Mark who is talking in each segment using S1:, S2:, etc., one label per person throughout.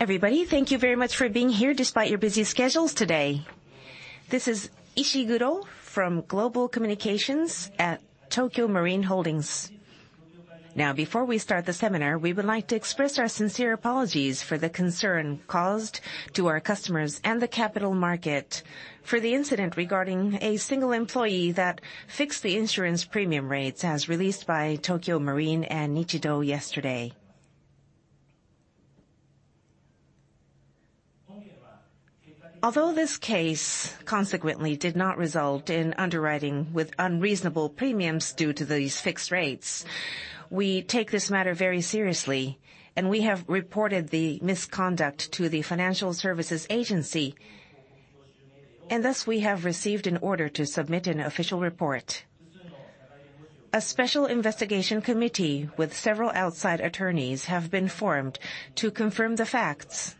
S1: Everybody, thank you very much for being here despite your busy schedules today. This is Ishiguro from Global Communications at Tokio Marine Holdings. Before we start the seminar, we would like to express our sincere apologies for the concern caused to our customers and the capital market for the incident regarding a single employee that fixed the insurance premium rates as released by Tokio Marine & Nichido yesterday. Although this case consequently did not result in underwriting with unreasonable premiums due to these fixed rates, we take this matter very seriously, and we have reported the misconduct to the Financial Services Agency. Thus, we have received an order to submit an official report. A special investigation committee with several outside attorneys have been formed to confirm the facts.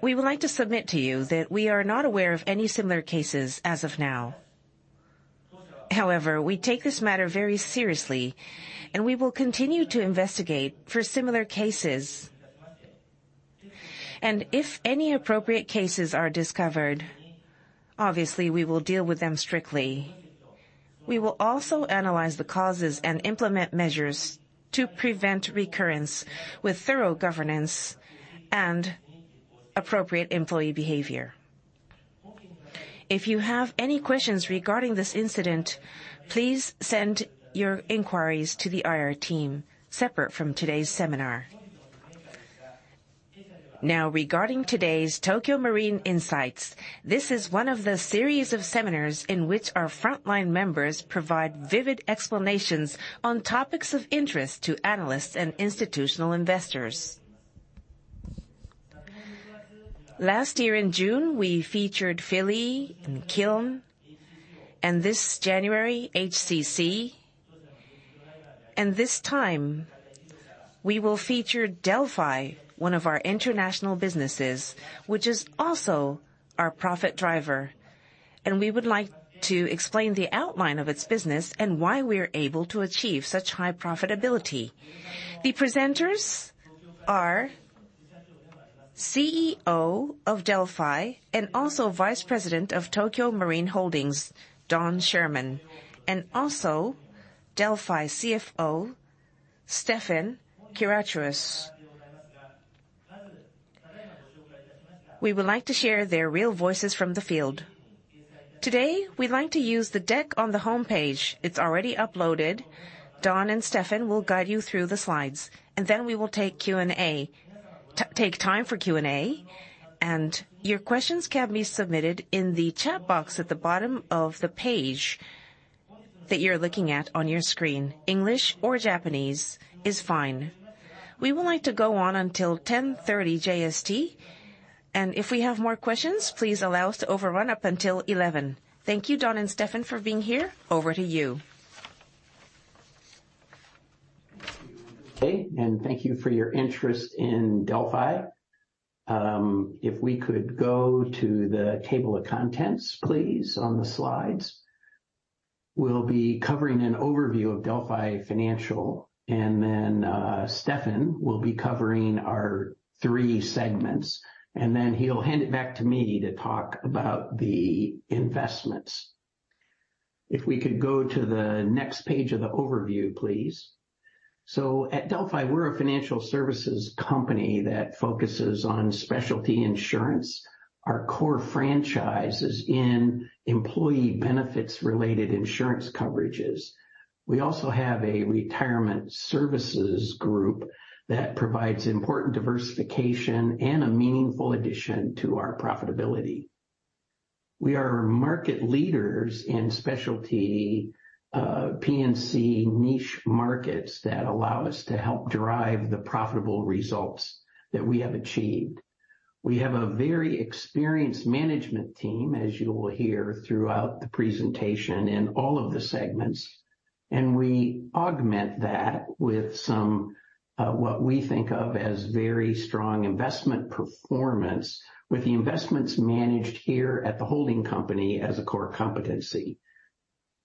S1: We would like to submit to you that we are not aware of any similar cases as of now. We take this matter very seriously, and we will continue to investigate for similar cases. If any appropriate cases are discovered, obviously, we will deal with them strictly. We will also analyze the causes and implement measures to prevent recurrence with thorough governance and appropriate employee behavior. If you have any questions regarding this incident, please send your inquiries to the IR team, separate from today's seminar. Regarding today's Tokio Marine Insights, this is one of the series of seminars in which our frontline members provide vivid explanations on topics of interest to analysts and institutional investors. Last year in June, we featured Philly and Kiln, and this January, HCC. This time, we will feature Delphi, one of our international businesses, which is also our profit driver. We would like to explain the outline of its business and why we are able to achieve such high profitability. The presenters are CEO of Delphi and also Vice President of Tokio Marine Holdings, Don Sherman, and also Delphi CFO, Stephan Kiratsous. We would like to share their real voices from the field. Today, we'd like to use the deck on the homepage. It's already uploaded. Don and Stephan will guide you through the slides, and then we will take time for Q&A, and your questions can be submitted in the chat box at the bottom of the page that you're looking at on your screen. English or Japanese is fine. We would like to go on until 10:30 A.M. JST. If we have more questions, please allow us to overrun up until 11:00 A.M. Thank you, Don and Stephan, for being here. Over to you.
S2: Thank you. Thank you for your interest in Delphi. If we could go to the table of contents, please, on the slides. We'll be covering an overview of Delphi Financial, and then Stephan will be covering our three segments, and then he'll hand it back to me to talk about the investments. If we could go to the next page of the overview, please. At Delphi, we're a financial services company that focuses on specialty insurance. Our core franchise is in employee benefits related insurance coverages. We also have a retirement services group that provides important diversification and a meaningful addition to our profitability. We are market leaders in specialty P&C niche markets that allow us to help drive the profitable results that we have achieved. We have a very experienced management team, as you will hear throughout the presentation in all of the segments, we augment that with some, what we think of as very strong investment performance with the investments managed here at the holding company as a core competency.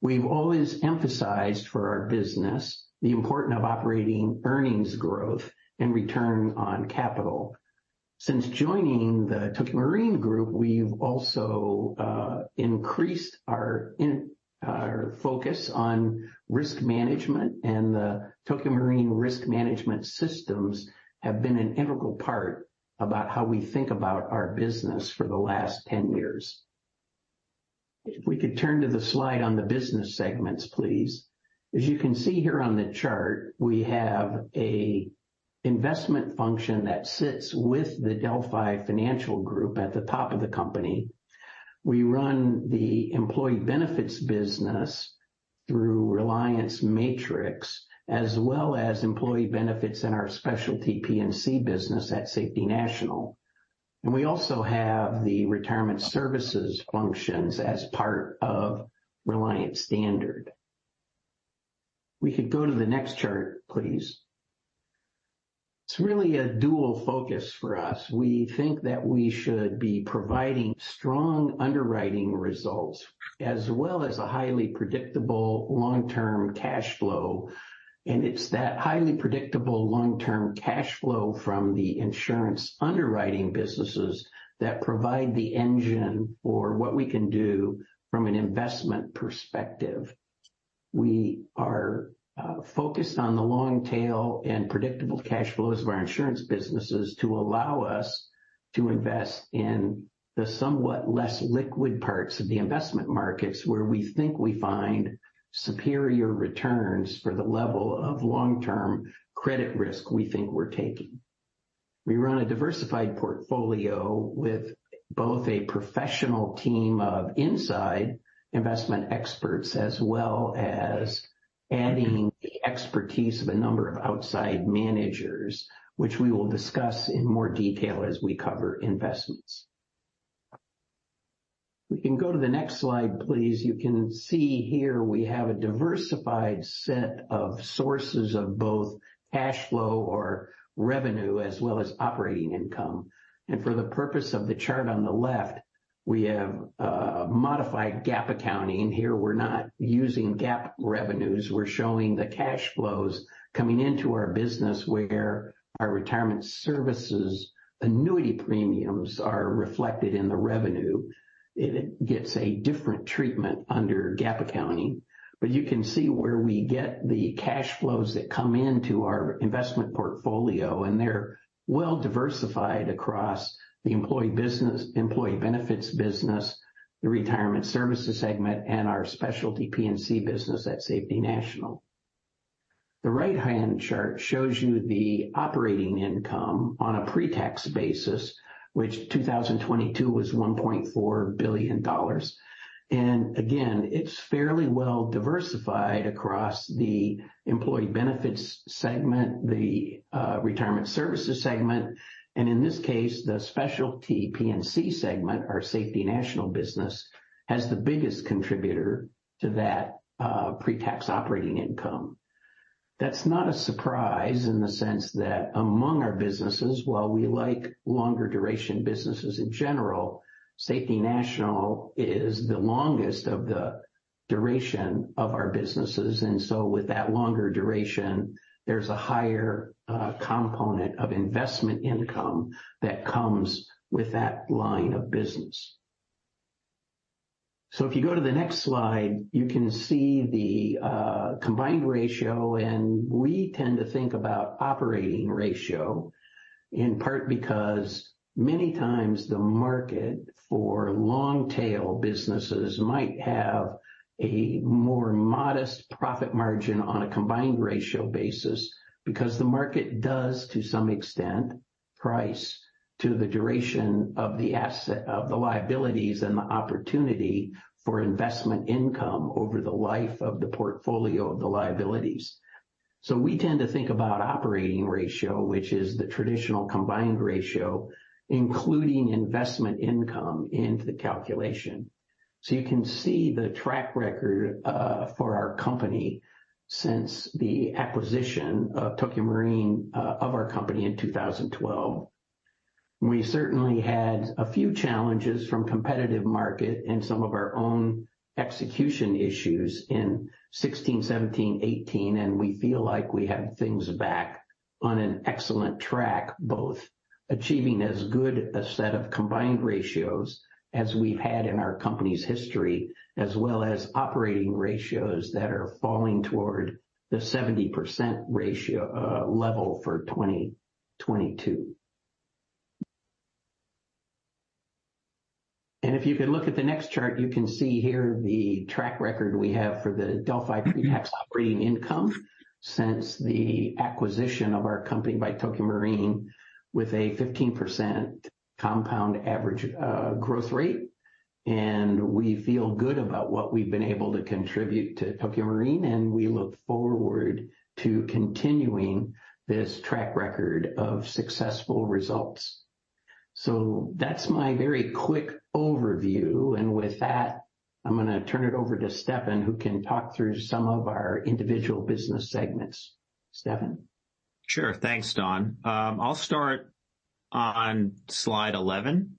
S2: We've always emphasized for our business the importance of operating earnings growth and return on capital. Since joining the Tokio Marine Group, we've also increased our focus on risk management and the Tokio Marine risk management systems have been an integral part about how we think about our business for the last 10 years. If we could turn to the slide on the business segments, please. As you can see here on the chart, we have an investment function that sits with the Delphi Financial Group at the top of the company. We run the employee benefits business through Reliance Matrix, as well as employee benefits in our specialty P&C business at Safety National. We also have the retirement services functions as part of Reliance Standard. We could go to the next chart, please. It's really a dual focus for us. We think that we should be providing strong underwriting results as well as a highly predictable long-term cash flow. It's that highly predictable long-term cash flow from the insurance underwriting businesses that provide the engine for what we can do from an investment perspective. We are focused on the long tail and predictable cash flows of our insurance businesses to allow us to invest in the somewhat less liquid parts of the investment markets, where we think we find superior returns for the level of long-term credit risk we think we're taking. We run a diversified portfolio with both a professional team of inside investment experts as well as adding the expertise of a number of outside managers, which we will discuss in more detail as we cover investments. We can go to the next slide, please. You can see here we have a diversified set of sources of both cash flow or revenue as well as operating income. For the purpose of the chart on the left, we have modified GAAP accounting in here. We're not using GAAP revenues. We're showing the cash flows coming into our business where our retirement services annuity premiums are reflected in the revenue. It gets a different treatment under GAAP accounting. You can see where we get the cash flows that come into our investment portfolio, and they're well diversified across the employee benefits business, the retirement services segment, and our specialty P&C business at Safety National. The right-hand chart shows you the operating income on a pre-tax basis, which 2022 was JPY 1.4 billion. Again, it's fairly well diversified across the employee benefits segment, the retirement services segment, and in this case, the specialty P&C segment, our Safety National business, has the biggest contributor to that pre-tax operating income. That's not a surprise in the sense that among our businesses, while we like longer duration businesses in general, Safety National is the longest of the duration of our businesses. With that longer duration, there's a higher component of investment income that comes with that line of business. If you go to the next slide, you can see the combined ratio. We tend to think about operating ratio, in part because many times the market for long-tail businesses might have a more modest profit margin on a combined ratio basis because the market does, to some extent, price to the duration of the liabilities and the opportunity for investment income over the life of the portfolio of the liabilities. We tend to think about operating ratio, which is the traditional combined ratio, including investment income into the calculation. You can see the track record for our company since the acquisition of Tokio Marine of our company in 2012. We certainly had a few challenges from competitive market and some of our own execution issues in 2016, 2017, 2018. We feel like we have things back on an excellent track, both achieving as good a set of combined ratios as we've had in our company's history, as well as operating ratios that are falling toward the 70% level for 2022. If you could look at the next chart, you can see here the track record we have for the Delphi pre-tax operating income since the acquisition of our company by Tokio Marine with a 15% compound average growth rate. We feel good about what we've been able to contribute to Tokio Marine. We look forward to continuing this track record of successful results. That's my very quick overview. With that, I'm going to turn it over to Stephan, who can talk through some of our individual business segments. Stephan?
S3: Sure. Thanks, Don. I'll start on slide 11,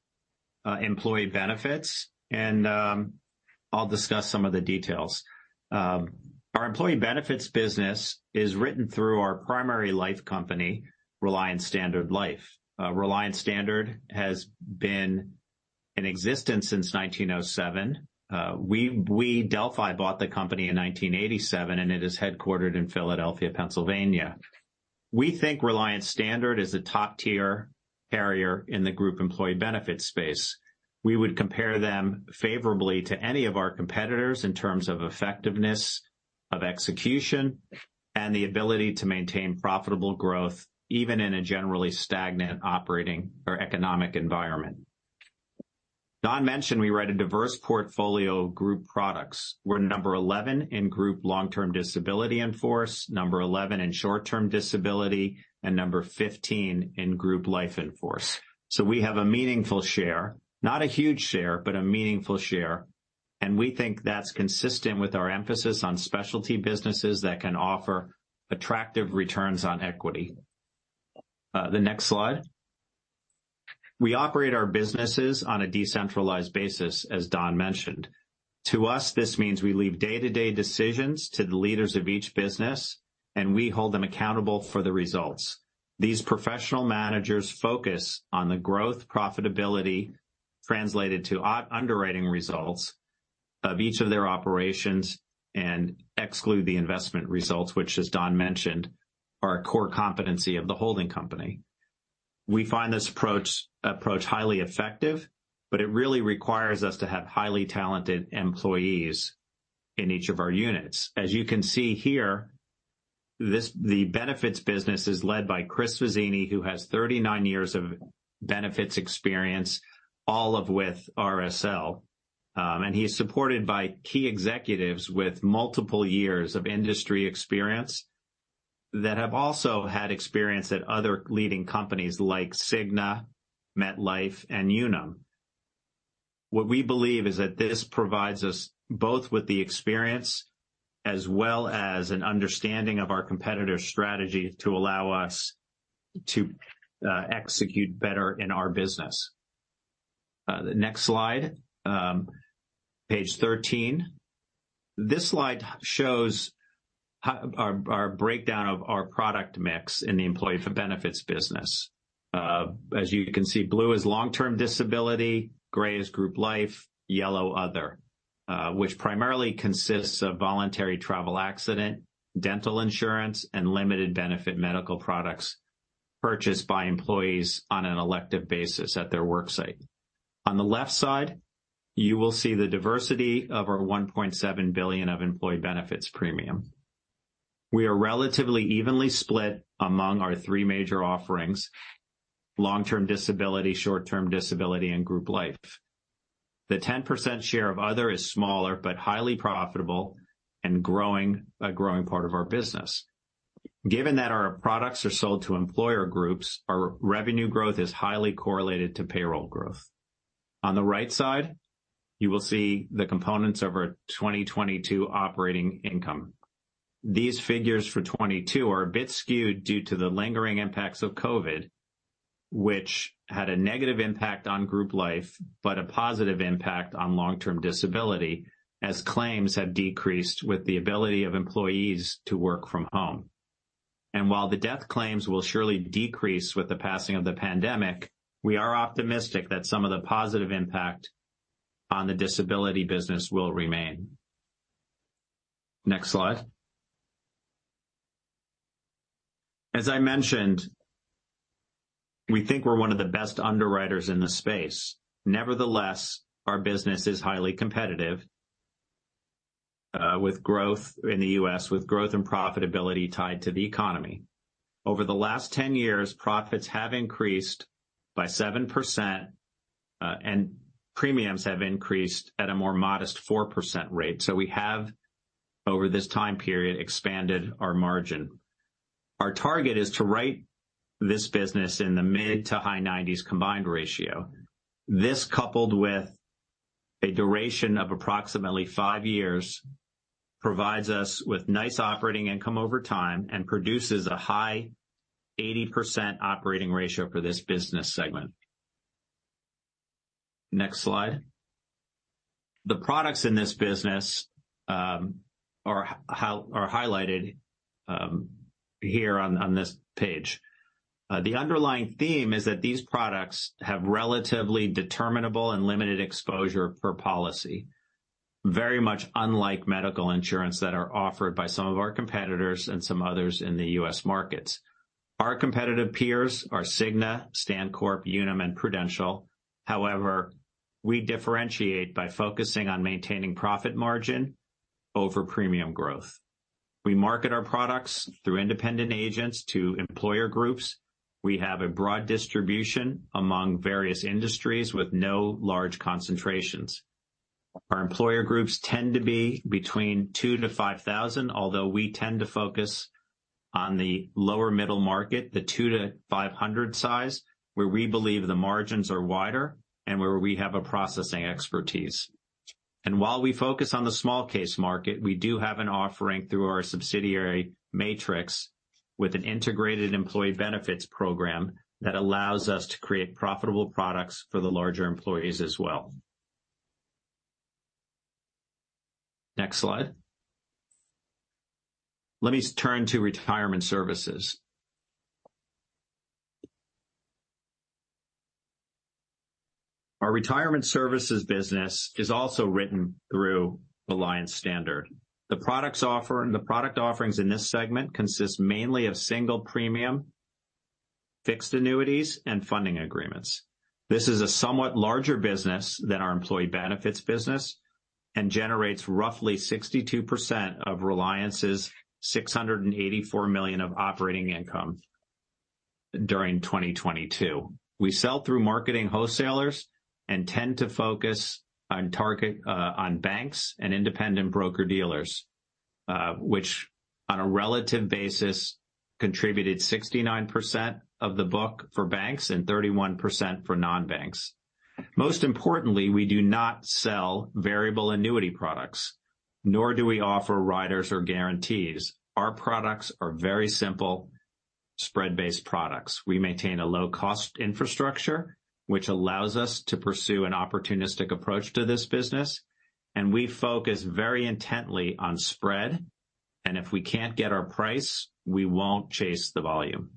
S3: employee benefits. I'll discuss some of the details. Our employee benefits business is written through our primary life company, Reliance Standard Life. Reliance Standard has been in existence since 1907. We, Delphi, bought the company in 1987. It is headquartered in Philadelphia, Pennsylvania. We think Reliance Standard is a top-tier carrier in the group employee benefits space. We would compare them favorably to any of our competitors in terms of effectiveness of execution and the ability to maintain profitable growth, even in a generally stagnant operating or economic environment. Don mentioned we write a diverse portfolio of group products. We're number 11 in group long-term disability in force, number 11 in short-term disability, number 15 in group life in force. We have a meaningful share, not a huge share, but a meaningful share. We think that's consistent with our emphasis on specialty businesses that can offer attractive returns on equity. The next slide. We operate our businesses on a decentralized basis, as Don mentioned. To us, this means we leave day-to-day decisions to the leaders of each business, and we hold them accountable for the results. These professional managers focus on the growth profitability, translated to underwriting results of each of their operations and exclude the investment results, which, as Don mentioned, are a core competency of the holding company. We find this approach highly effective, but it really requires us to have highly talented employees in each of our units. As you can see here, the benefits business is led by Chris Fazzini, who has 39 years of benefits experience, all of with RSL. He's supported by key executives with multiple years of industry experience that have also had experience at other leading companies like Cigna, MetLife, and Unum. What we believe is that this provides us both with the experience as well as an understanding of our competitors' strategy to allow us to execute better in our business. The next slide, page 13. This slide shows our breakdown of our product mix in the employee benefits business. As you can see, blue is long-term disability, gray is group life, yellow other, which primarily consists of voluntary travel, accident, dental insurance, and limited benefit medical products purchased by employees on an elective basis at their work site. On the left side, you will see the diversity of our 1.7 billion of employee benefits premium. We are relatively evenly split among our three major offerings, long-term disability, short-term disability, and group life. The 10% share of other is smaller but highly profitable and a growing part of our business. Given that our products are sold to employer groups, our revenue growth is highly correlated to payroll growth. On the right side, you will see the components of our 2022 operating income. These figures for 2022 are a bit skewed due to the lingering impacts of COVID, which had a negative impact on group life, but a positive impact on long-term disability as claims have decreased with the ability of employees to work from home. While the death claims will surely decrease with the passing of the pandemic, we are optimistic that some of the positive impact on the disability business will remain. Next slide. As I mentioned, we think we're one of the best underwriters in the space. Nevertheless, our business is highly competitive with growth in the U.S., with growth and profitability tied to the economy. Over the last 10 years, profits have increased by 7%, and premiums have increased at a more modest 4% rate. We have, over this time period, expanded our margin. Our target is to write this business in the mid to high 90s combined ratio. This, coupled with a duration of approximately five years, provides us with nice operating income over time and produces a high 80% operating ratio for this business segment. Next slide. The products in this business are highlighted here on this page. The underlying theme is that these products have relatively determinable and limited exposure per policy, very much unlike medical insurance that are offered by some of our competitors and some others in the U.S. markets. Our competitive peers are Cigna, StanCorp, Unum, and Prudential. However, we differentiate by focusing on maintaining profit margin over premium growth. We market our products through independent agents to employer groups. We have a broad distribution among various industries with no large concentrations. Our employer groups tend to be between 2 to 5,000, although we tend to focus on the lower middle market, the 2 to 500 size, where we believe the margins are wider and where we have a processing expertise. While we focus on the small case market, we do have an offering through our subsidiary, Matrix, with an integrated employee benefits program that allows us to create profitable products for the larger employees as well. Next slide. Let me turn to Retirement Services. Our Retirement Services business is also written through Reliance Standard. The product offerings in this segment consist mainly of single premium fixed annuities and funding agreements. This is a somewhat larger business than our Employee Benefits business and generates roughly 62% of Reliance's 684 million of operating income during 2022. We sell through marketing wholesalers and tend to focus on banks and independent broker-dealers. Which on a relative basis contributed 69% of the book for banks and 31% for non-banks. Most importantly, we do not sell variable annuity products, nor do we offer riders or guarantees. Our products are very simple, spread-based products. We maintain a low-cost infrastructure, which allows us to pursue an opportunistic approach to this business, and we focus very intently on spread, and if we can't get our price, we won't chase the volume.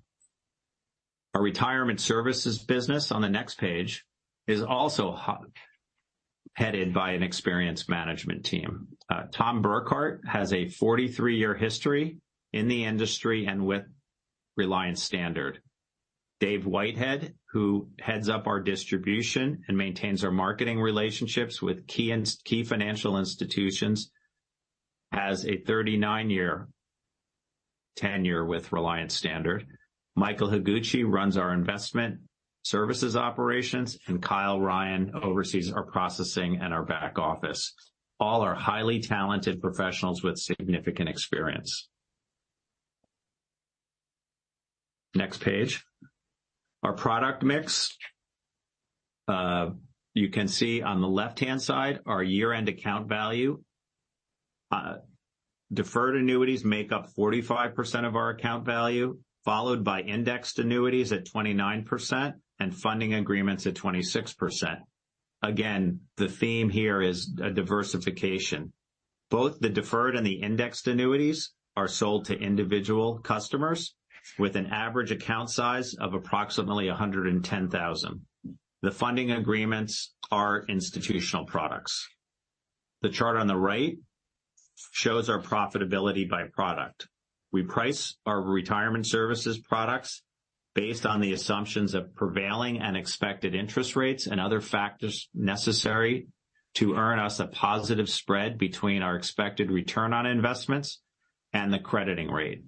S3: Our Retirement Services business on the next page is also headed by an experienced management team. Tom Burghart has a 43-year history in the industry and with Reliance Standard. Dave Whitehead, who heads up our distribution and maintains our marketing relationships with key financial institutions, has a 39-year tenure with Reliance Standard. Michael Higuchi runs our investment services operations, and Kyle Ryan oversees our processing and our back office. All are highly talented professionals with significant experience. Next page. Our product mix. You can see on the left-hand side our year-end account value. Deferred annuities make up 45% of our account value, followed by indexed annuities at 29%, and funding agreements at 26%. Again, the theme here is diversification. Both the deferred and the indexed annuities are sold to individual customers with an average account size of approximately 110,000. The funding agreements are institutional products. The chart on the right shows our profitability by product. We price our Retirement Services products based on the assumptions of prevailing and expected interest rates and other factors necessary to earn us a positive spread between our expected return on investments and the crediting rate.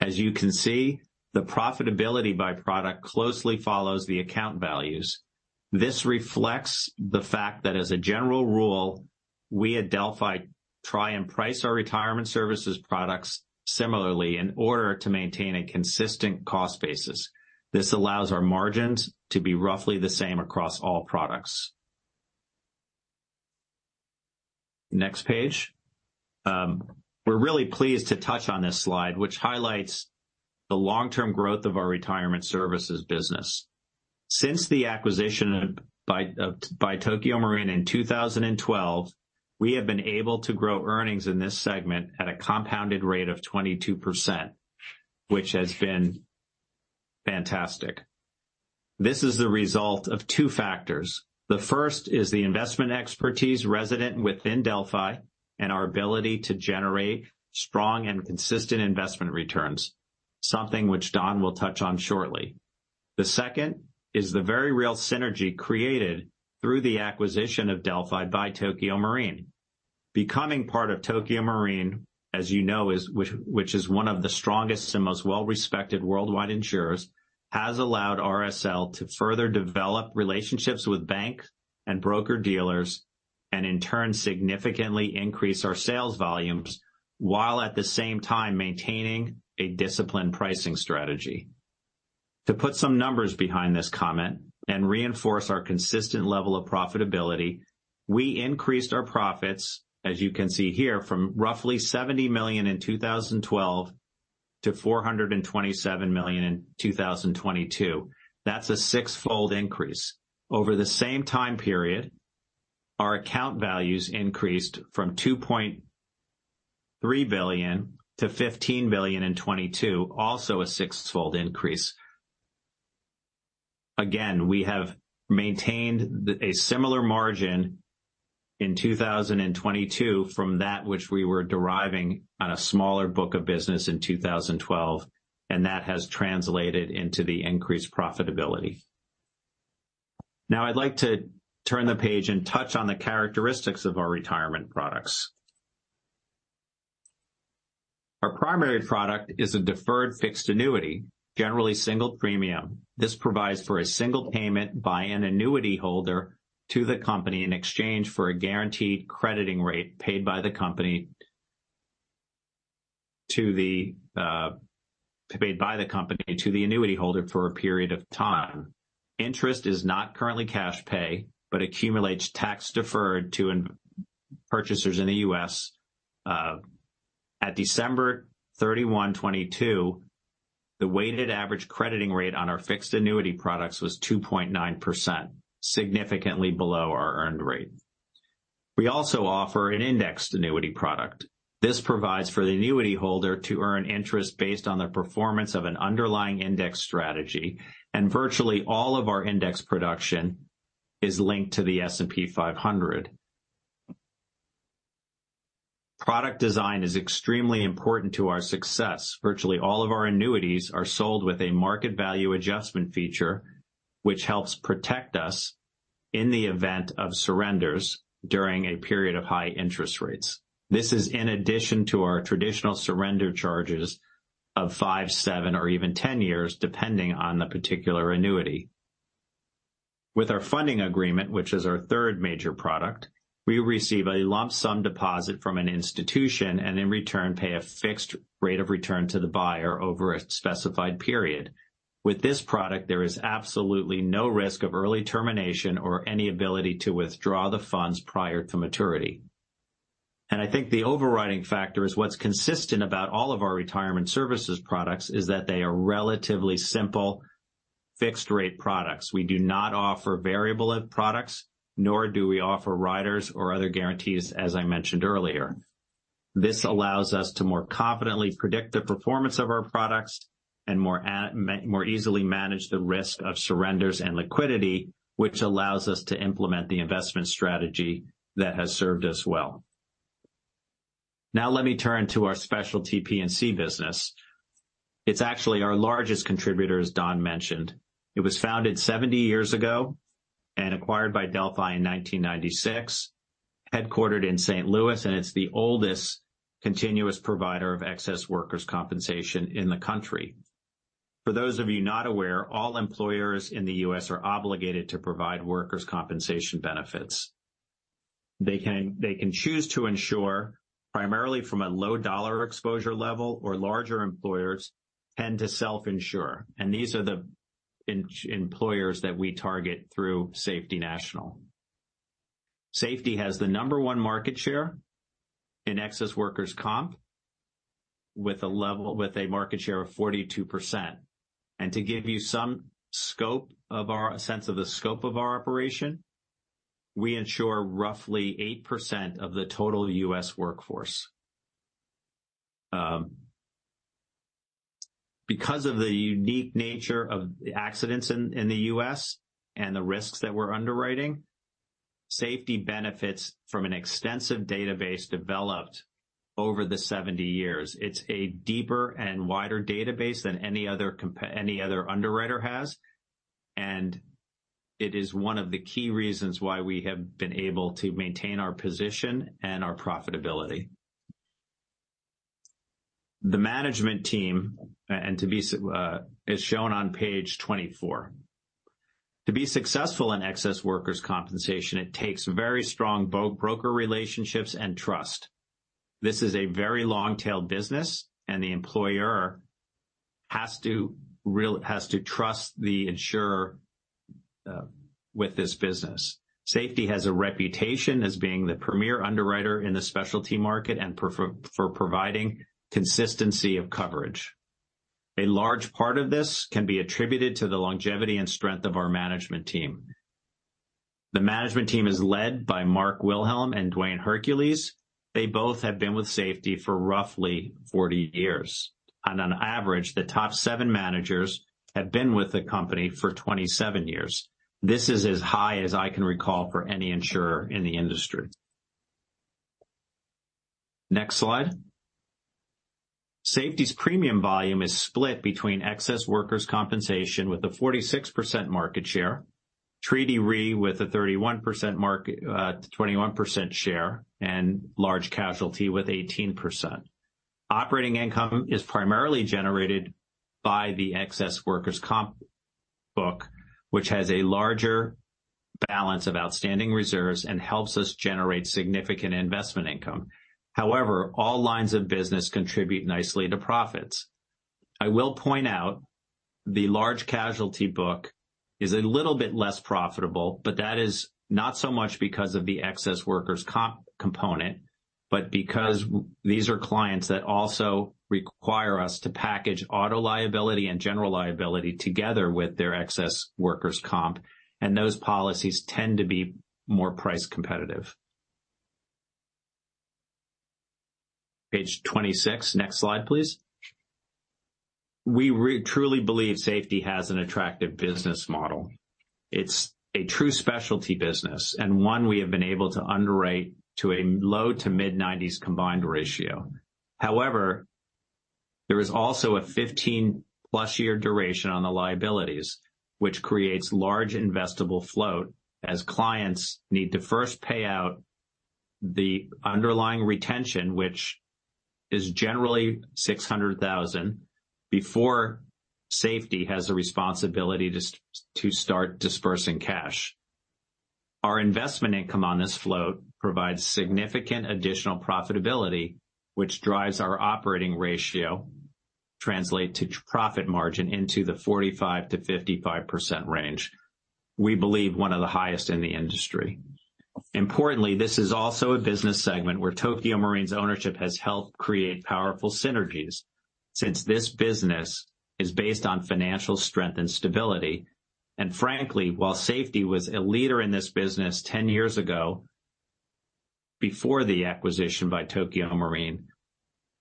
S3: As you can see, the profitability by product closely follows the account values. This reflects the fact that as a general rule, we at Delphi try and price our Retirement Services products similarly in order to maintain a consistent cost basis. This allows our margins to be roughly the same across all products. Next page. We're really pleased to touch on this slide, which highlights the long-term growth of our Retirement Services business. Since the acquisition by Tokio Marine in 2012, we have been able to grow earnings in this segment at a compounded rate of 22%, which has been fantastic. This is the result of two factors. The first is the investment expertise resident within Delphi and our ability to generate strong and consistent investment returns, something which Don will touch on shortly. The second is the very real synergy created through the acquisition of Delphi by Tokio Marine. Becoming part of Tokio Marine, as you know, which is one of the strongest and most well-respected worldwide insurers, has allowed RSL to further develop relationships with banks and broker-dealers, and in turn, significantly increase our sales volumes while at the same time maintaining a disciplined pricing strategy. To put some numbers behind this comment and reinforce our consistent level of profitability, we increased our profits, as you can see here, from roughly 70 million in 2012 to 427 million in 2022. That's a six-fold increase. Over the same time period, our account values increased from 2.3 billion to 15 billion in 2022, also a six-fold increase. Again, we have maintained a similar margin in 2022 from that which we were deriving on a smaller book of business in 2012, and that has translated into the increased profitability. I'd like to turn the page and touch on the characteristics of our retirement products. Our primary product is a deferred fixed annuity, generally single premium. This provides for a single payment by an annuity holder to the company in exchange for a guaranteed crediting rate paid by the company to the annuity holder for a period of time. Interest is not currently cash pay but accumulates tax-deferred to purchasers in the U.S. At December 31, 2022, the weighted average crediting rate on our fixed annuity products was 2.9%, significantly below our earned rate. We also offer an indexed annuity product. This provides for the annuity holder to earn interest based on the performance of an underlying index strategy, and virtually all of our index production is linked to the S&P 500. Product design is extremely important to our success. Virtually all of our annuities are sold with a market value adjustment feature, which helps protect us in the event of surrenders during a period of high interest rates. This is in addition to our traditional surrender charges of five, seven, or even 10 years, depending on the particular annuity. With our funding agreement, which is our third major product, we receive a lump sum deposit from an institution, and in return, pay a fixed rate of return to the buyer over a specified period. With this product, there is absolutely no risk of early termination or any ability to withdraw the funds prior to maturity. I think the overriding factor is what's consistent about all of our retirement services products is that they are relatively simple, fixed-rate products. We do not offer variable products, nor do we offer riders or other guarantees, as I mentioned earlier. This allows us to more confidently predict the performance of our products and more easily manage the risk of surrenders and liquidity, which allows us to implement the investment strategy that has served us well. Let me turn to our specialty P&C business. It's actually our largest contributor, as Don mentioned. It was founded 70 years ago and acquired by Delphi in 1996, headquartered in St. Louis, and it's the oldest continuous provider of excess workers' compensation in the country. For those of you not aware, all employers in the U.S. are obligated to provide workers' compensation benefits. They can choose to insure primarily from a low dollar exposure level, or larger employers tend to self-insure, and these are the employers that we target through Safety National. Safety has the number one market share in excess workers' comp with a market share of 42%. To give you some sense of the scope of our operation, we insure roughly 8% of the total U.S. workforce. Because of the unique nature of the accidents in the U.S. and the risks that we're underwriting, Safety benefits from an extensive database developed over the 70 years. It's a deeper and wider database than any other underwriter has, and it is one of the key reasons why we have been able to maintain our position and our profitability. The management team is shown on page 24. To be successful in excess workers' compensation, it takes very strong broker relationships and trust. This is a very long-tail business and the employer has to trust the insurer with this business. Safety has a reputation as being the premier underwriter in the specialty market and for providing consistency of coverage. A large part of this can be attributed to the longevity and strength of our management team. The management team is led by Mark Wilhelm and Duane Hercules. They both have been with Safety for roughly 40 years, and on average, the top seven managers have been with the company for 27 years. This is as high as I can recall for any insurer in the industry. Next slide. Safety's premium volume is split between excess workers' compensation with a 46% market share, treaty Re with a 21% share, and large casualty with 18%. Operating income is primarily generated by the excess workers' comp book, which has a larger balance of outstanding reserves and helps us generate significant investment income. However, all lines of business contribute nicely to profits. I will point out the large casualty book is a little bit less profitable, but that is not so much because of the excess workers' comp component, but because these are clients that also require us to package auto liability and general liability together with their excess workers' comp, and those policies tend to be more price competitive. Page 26. Next slide, please. We truly believe Safety has an attractive business model. It's a true specialty business, and one we have been able to underwrite to a low to mid-90s combined ratio. There is also a 15+ year duration on the liabilities, which creates large investable float as clients need to first pay out the underlying retention, which is generally 600,000, before Safety has a responsibility to start dispersing cash. Our investment income on this float provides significant additional profitability, which drives our operating ratio translate to profit margin into the 45%-55% range. We believe one of the highest in the industry. Importantly, this is also a business segment where Tokio Marine's ownership has helped create powerful synergies since this business is based on financial strength and stability. Frankly, while Safety was a leader in this business 10 years ago, before the acquisition by Tokio Marine,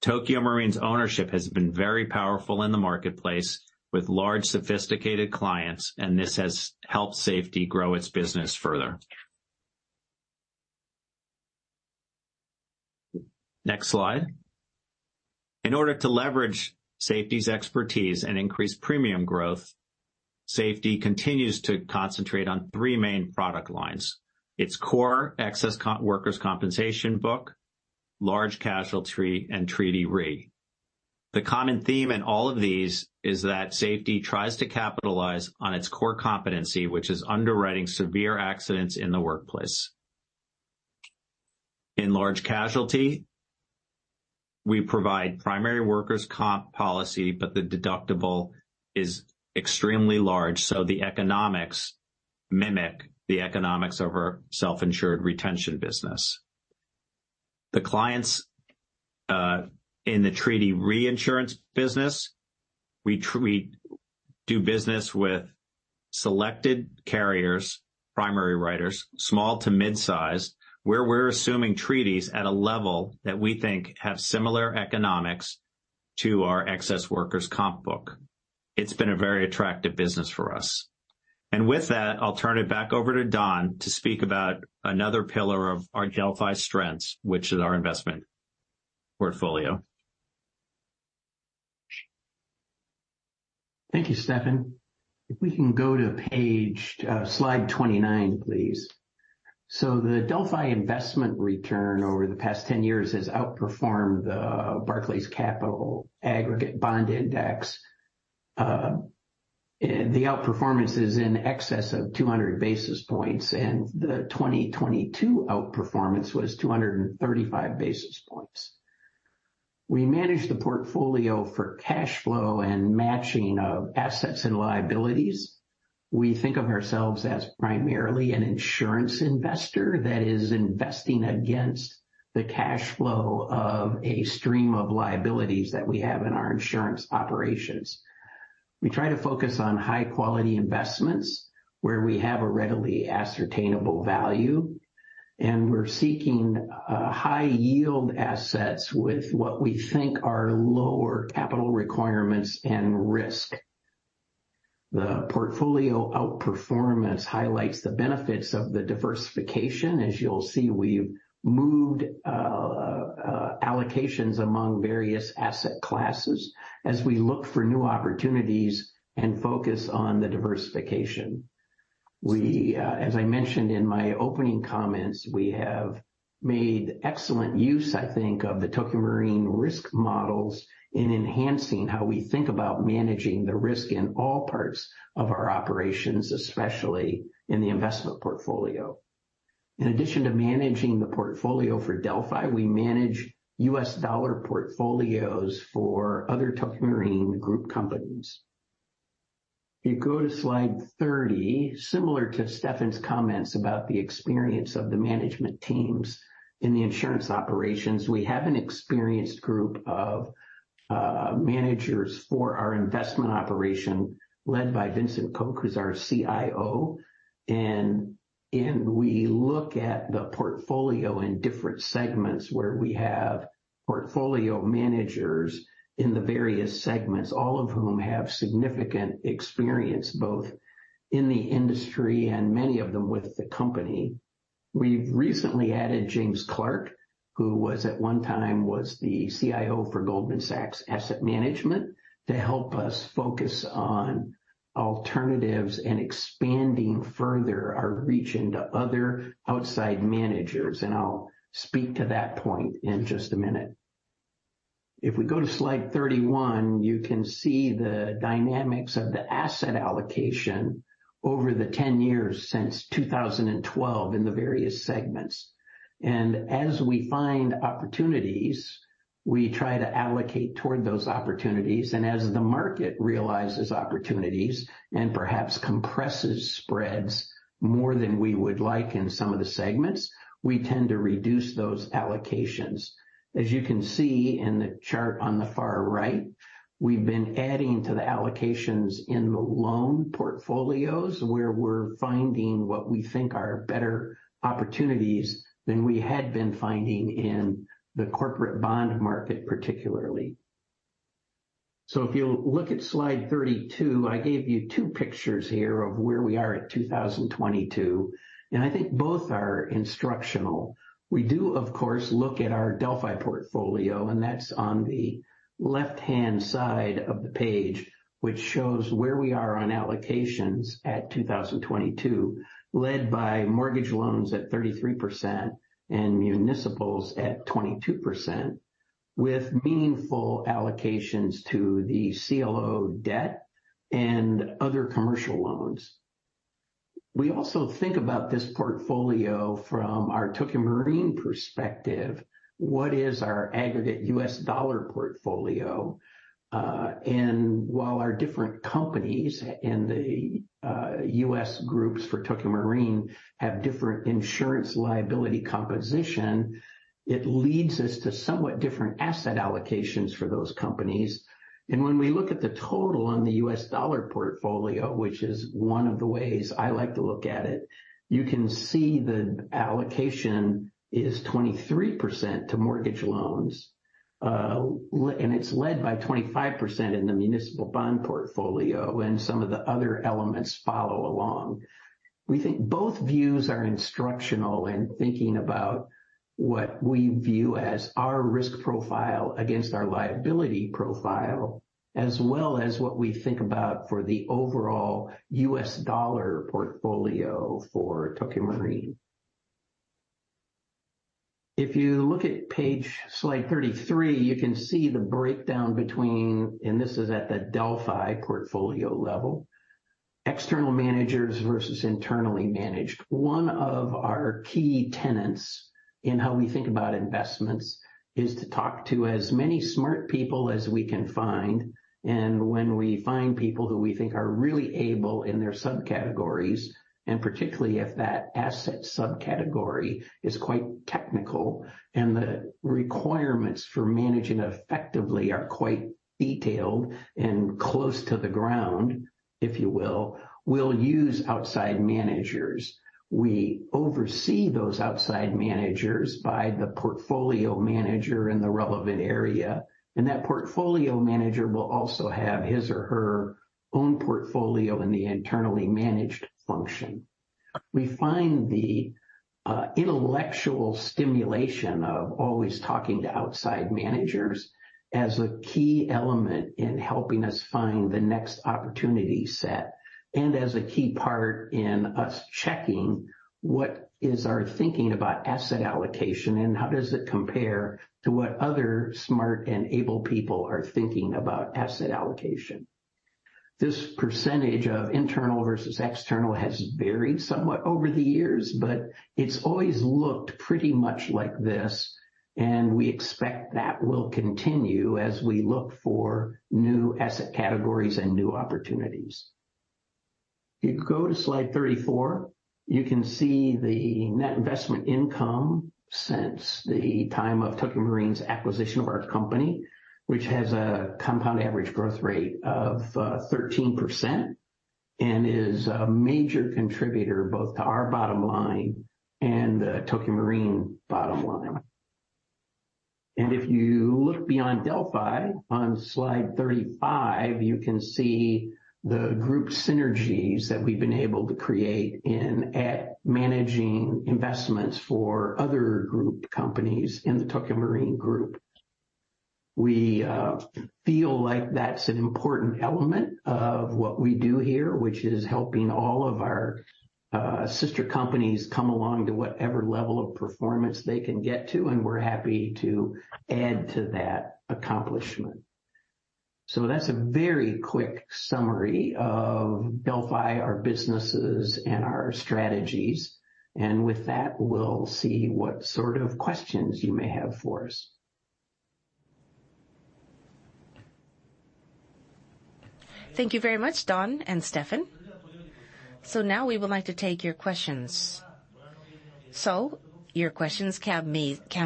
S3: Tokio Marine's ownership has been very powerful in the marketplace with large, sophisticated clients, and this has helped Safety grow its business further. Next slide. In order to leverage Safety's expertise and increase premium growth, Safety continues to concentrate on three main product lines. Its core excess workers' compensation book, large casualty, and treaty Re. The common theme in all of these is that Safety tries to capitalize on its core competency, which is underwriting severe accidents in the workplace. In large casualty, we provide primary workers' comp policy, but the deductible is extremely large, so the economics mimic the economics of our self-insured retention business. The clients in the treaty reinsurance business, we do business with selected carriers, primary writers, small to mid-size, where we are assuming treaties at a level that we think have similar economics to our excess workers' comp book. It has been a very attractive business for us. With that, I will turn it back over to Don to speak about another pillar of our Delphi strengths, which is our investment portfolio.
S2: Thank you, Stephan. If we can go to slide 29, please. The Delphi investment return over the past 10 years has outperformed the Bloomberg Barclays Aggregate Bond Index. The outperformance is in excess of 200 basis points. The 2022 outperformance was 235 basis points. We manage the portfolio for cash flow and matching of assets and liabilities. We think of ourselves as primarily an insurance investor that is investing against the cash flow of a stream of liabilities that we have in our insurance operations. We try to focus on high-quality investments where we have a readily ascertainable value, and we are seeking high-yield assets with what we think are lower capital requirements and risk. The portfolio outperformance highlights the benefits of the diversification. As you will see, we have moved allocations among various asset classes as we look for new opportunities and focus on the diversification. As I mentioned in my opening comments, we have made excellent use, I think, of the Tokio Marine risk models in enhancing how we think about managing the risk in all parts of our operations, especially in the investment portfolio. In addition to managing the portfolio for Delphi, we manage US dollar portfolios for other Tokio Marine group companies. If you go to slide 30, similar to Stephan's comments about the experience of the management teams in the insurance operations, we have an experienced group of managers for our investment operation led by Vincent Koch, who is our CIO. We look at the portfolio in different segments where we have portfolio managers in the various segments, all of whom have significant experience, both in the industry and many of them with the company. We have recently added James Clark, who at one time was the CIO for Goldman Sachs Asset Management, to help us focus on alternatives and expanding further our reach into other outside managers, and I will speak to that point in just a minute. If we go to slide 31, you can see the dynamics of the asset allocation over the 10 years since 2012 in the various segments. As we find opportunities, we try to allocate toward those opportunities. As the market realizes opportunities and perhaps compresses spreads more than we would like in some of the segments, we tend to reduce those allocations. As you can see in the chart on the far right, we have been adding to the allocations in the loan portfolios, where we are finding what we think are better opportunities than we had been finding in the corporate bond market, particularly. If you'll look at slide 32, I gave you two pictures here of where we are at 2022, I think both are instructional. We do, of course, look at our Delphi portfolio, that's on the left-hand side of the page, which shows where we are on allocations at 2022, led by mortgage loans at 33% and municipals at 22%, with meaningful allocations to the CLO debt and other commercial loans. We also think about this portfolio from our Tokio Marine perspective. What is our aggregate U.S. dollar portfolio? While our different companies in the U.S. groups for Tokio Marine have different insurance liability composition, it leads us to somewhat different asset allocations for those companies. When we look at the total on the U.S. dollar portfolio, which is one of the ways I like to look at it, you can see the allocation is 23% to mortgage loans, it's led by 25% in the municipal bond portfolio, some of the other elements follow along. We think both views are instructional in thinking about what we view as our risk profile against our liability profile, as well as what we think about for the overall U.S. dollar portfolio for Tokio Marine. If you look at page slide 33, you can see the breakdown between, this is at the Delphi portfolio level, external managers versus internally managed. One of our key tenets in how we think about investments is to talk to as many smart people as we can find. When we find people who we think are really able in their subcategories, particularly if that asset subcategory is quite technical, the requirements for managing effectively are quite detailed and close to the ground, if you will, we'll use outside managers. We oversee those outside managers by the portfolio manager in the relevant area, that portfolio manager will also have his or her own portfolio in the internally managed function. We find the intellectual stimulation of always talking to outside managers as a key element in helping us find the next opportunity set, as a key part in us checking what is our thinking about asset allocation, how does it compare to what other smart and able people are thinking about asset allocation. This percentage of internal versus external has varied somewhat over the years, it's always looked pretty much like this, we expect that will continue as we look for new asset categories new opportunities. If you go to slide 34, you can see the net investment income since the time of Tokio Marine's acquisition of our company, which has a compound average growth rate of 13% is a major contributor both to our bottom line the Tokio Marine bottom line. If you look beyond Delphi, on slide 35, you can see the group synergies that we've been able to create in managing investments for other group companies in the Tokio Marine group. We feel like that's an important element of what we do here, which is helping all of our sister companies come along to whatever level of performance they can get to, and we're happy to add to that accomplishment. That's a very quick summary of Delphi, our businesses, and our strategies. With that, we'll see what sort of questions you may have for us.
S1: Thank you very much, Don and Stephan. Now we would like to take your questions. Your questions can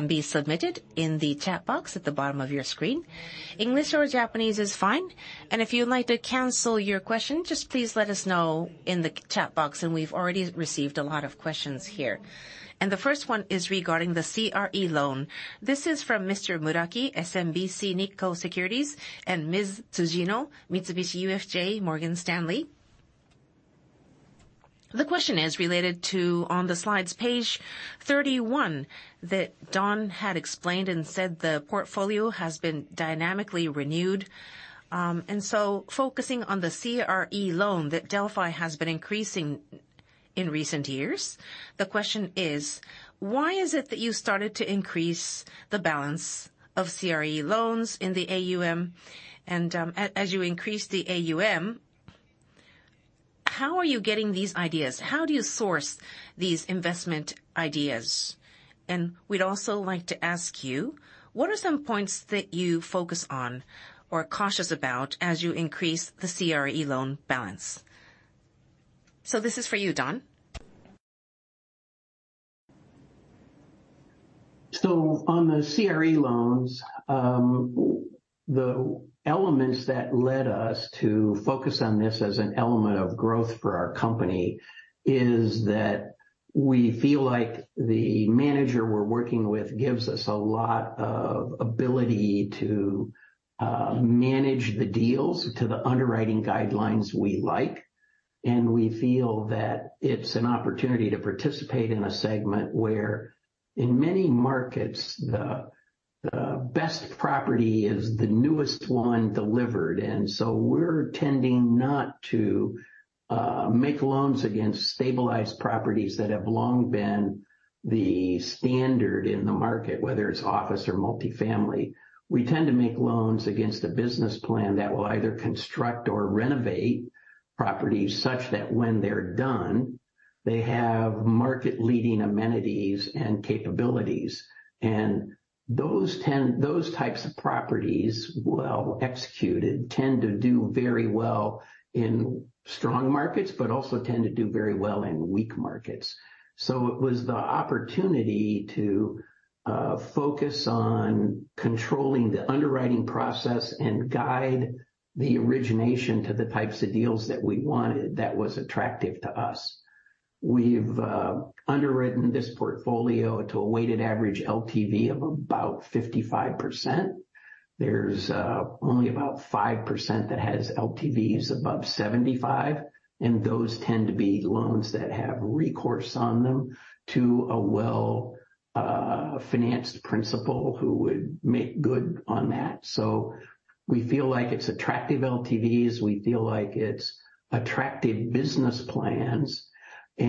S1: be submitted in the chat box at the bottom of your screen. English or Japanese is fine. If you would like to cancel your question, just please let us know in the chat box. We've already received a lot of questions here. The first one is regarding the CRE loan. This is from Mr. Muraki, SMBC Nikko Securities, and Ms. Tsujino, Mitsubishi UFJ Morgan Stanley. The question is related to on the slides page 31, that Don had explained and said the portfolio has been dynamically renewed. Focusing on the CRE loan that Delphi has been increasing in recent years. The question is: Why is it that you started to increase the balance of CRE loans in the AUM? As you increase the AUM, how are you getting these ideas? How do you source these investment ideas? We'd also like to ask you, what are some points that you focus on or are cautious about as you increase the CRE loan balance? This is for you, Don.
S2: On the CRE loans, the elements that led us to focus on this as an element of growth for our company is that we feel like the manager we're working with gives us a lot of ability to manage the deals to the underwriting guidelines we like. We feel that it's an opportunity to participate in a segment where, in many markets, the best property is the newest one delivered. We're tending not to make loans against stabilized properties that have long been the standard in the market, whether it's office or multifamily. We tend to make loans against a business plan that will either construct or renovate properties such that when they're done, they have market-leading amenities and capabilities. Those types of properties, well executed, tend to do very well in strong markets but also tend to do very well in weak markets. It was the opportunity to focus on controlling the underwriting process and guide the origination to the types of deals that we wanted that was attractive to us. We've underwritten this portfolio to a weighted average LTV of about 55%. There's only about 5% that has LTVs above 75, and those tend to be loans that have recourse on them to a well-financed principal who would make good on that. We feel like it's attractive LTVs. We feel like it's attractive business plans. We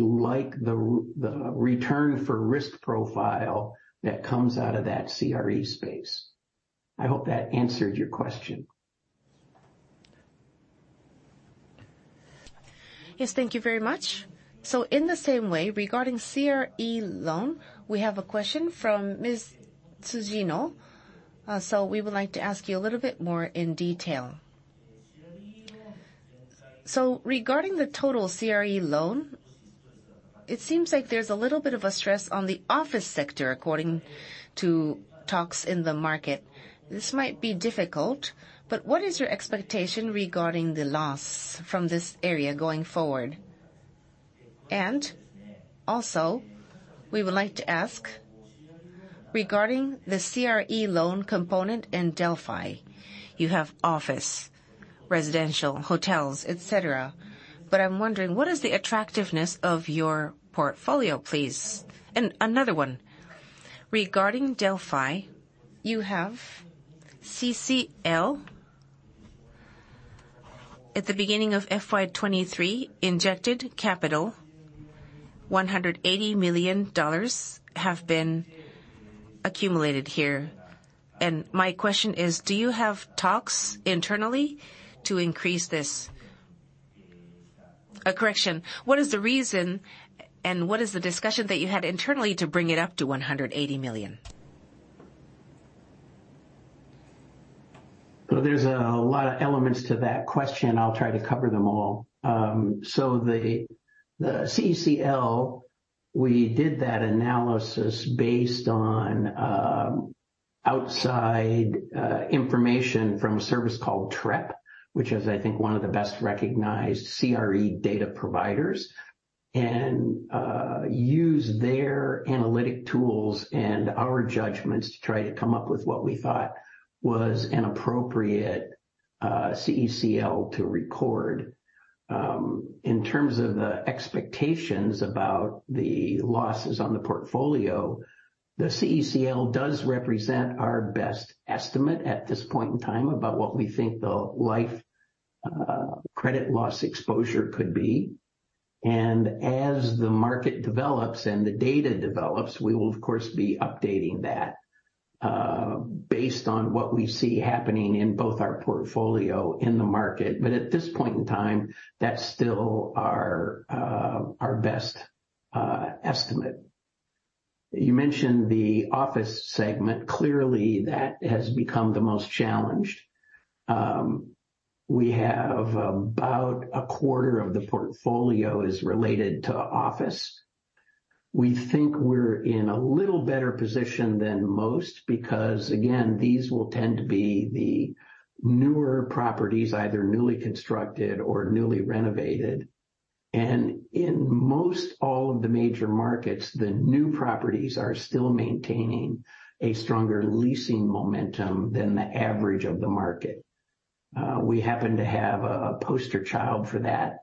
S2: like the return for risk profile that comes out of that CRE space. I hope that answered your question.
S1: Yes. Thank you very much. In the same way, regarding CRE loan, we have a question from Ms. Tsujino. We would like to ask you a little bit more in detail. Regarding the total CRE loan, it seems like there's a little bit of a stress on the office sector according to talks in the market. This might be difficult, but what is your expectation regarding the loss from this area going forward? Also, we would like to ask regarding the CRE loan component in Delphi. You have office, residential, hotels, et cetera. I'm wondering, what is the attractiveness of your portfolio, please? Another one. Regarding Delphi, you have CECL. At the beginning of FY 2023, injected capital JPY 180 million have been accumulated here. My question is, do you have talks internally to increase this? A correction. What is the reason and what is the discussion that you had internally to bring it up to 180 million?
S2: There's a lot of elements to that question. I'll try to cover them all. The CECL, we did that analysis based on outside information from a service called Trepp, which is, I think, one of the best recognized CRE data providers, and used their analytic tools and our judgments to try to come up with what we thought was an appropriate CECL to record. In terms of the expectations about the losses on the portfolio, the CECL does represent our best estimate at this point in time about what we think the life credit loss exposure could be. As the market develops and the data develops, we will of course, be updating that based on what we see happening in both our portfolio in the market. At this point in time, that's still our best estimate. You mentioned the office segment. Clearly, that has become the most challenged. We have about a quarter of the portfolio is related to office. We think we're in a little better position than most because, again, these will tend to be the newer properties, either newly constructed or newly renovated. In most all of the major markets, the new properties are still maintaining a stronger leasing momentum than the average of the market. We happen to have a poster child for that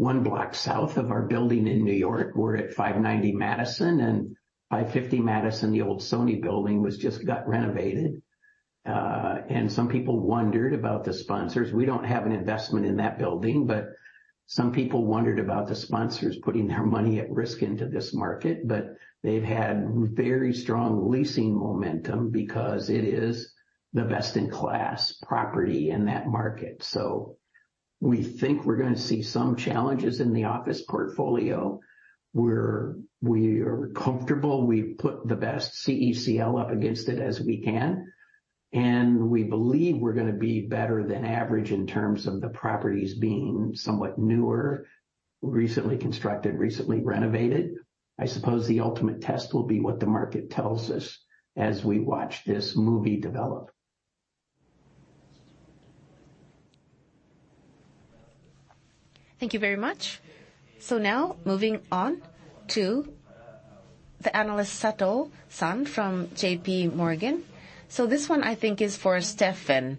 S2: one block south of our building in New York. We're at 590 Madison and 550 Madison, the old Sony building just got renovated. Some people wondered about the sponsors. We don't have an investment in that building, but some people wondered about the sponsors putting their money at risk into this market. They've had very strong leasing momentum because it is the best-in-class property in that market. We think we're going to see some challenges in the office portfolio, where we are comfortable. We put the best CECL up against it as we can, and we believe we're going to be better than average in terms of the properties being somewhat newer, recently constructed, recently renovated. I suppose the ultimate test will be what the market tells us as we watch this movie develop.
S1: Thank you very much. Now moving on to the analyst, Seto San from JP Morgan. This one, I think, is for Stephan.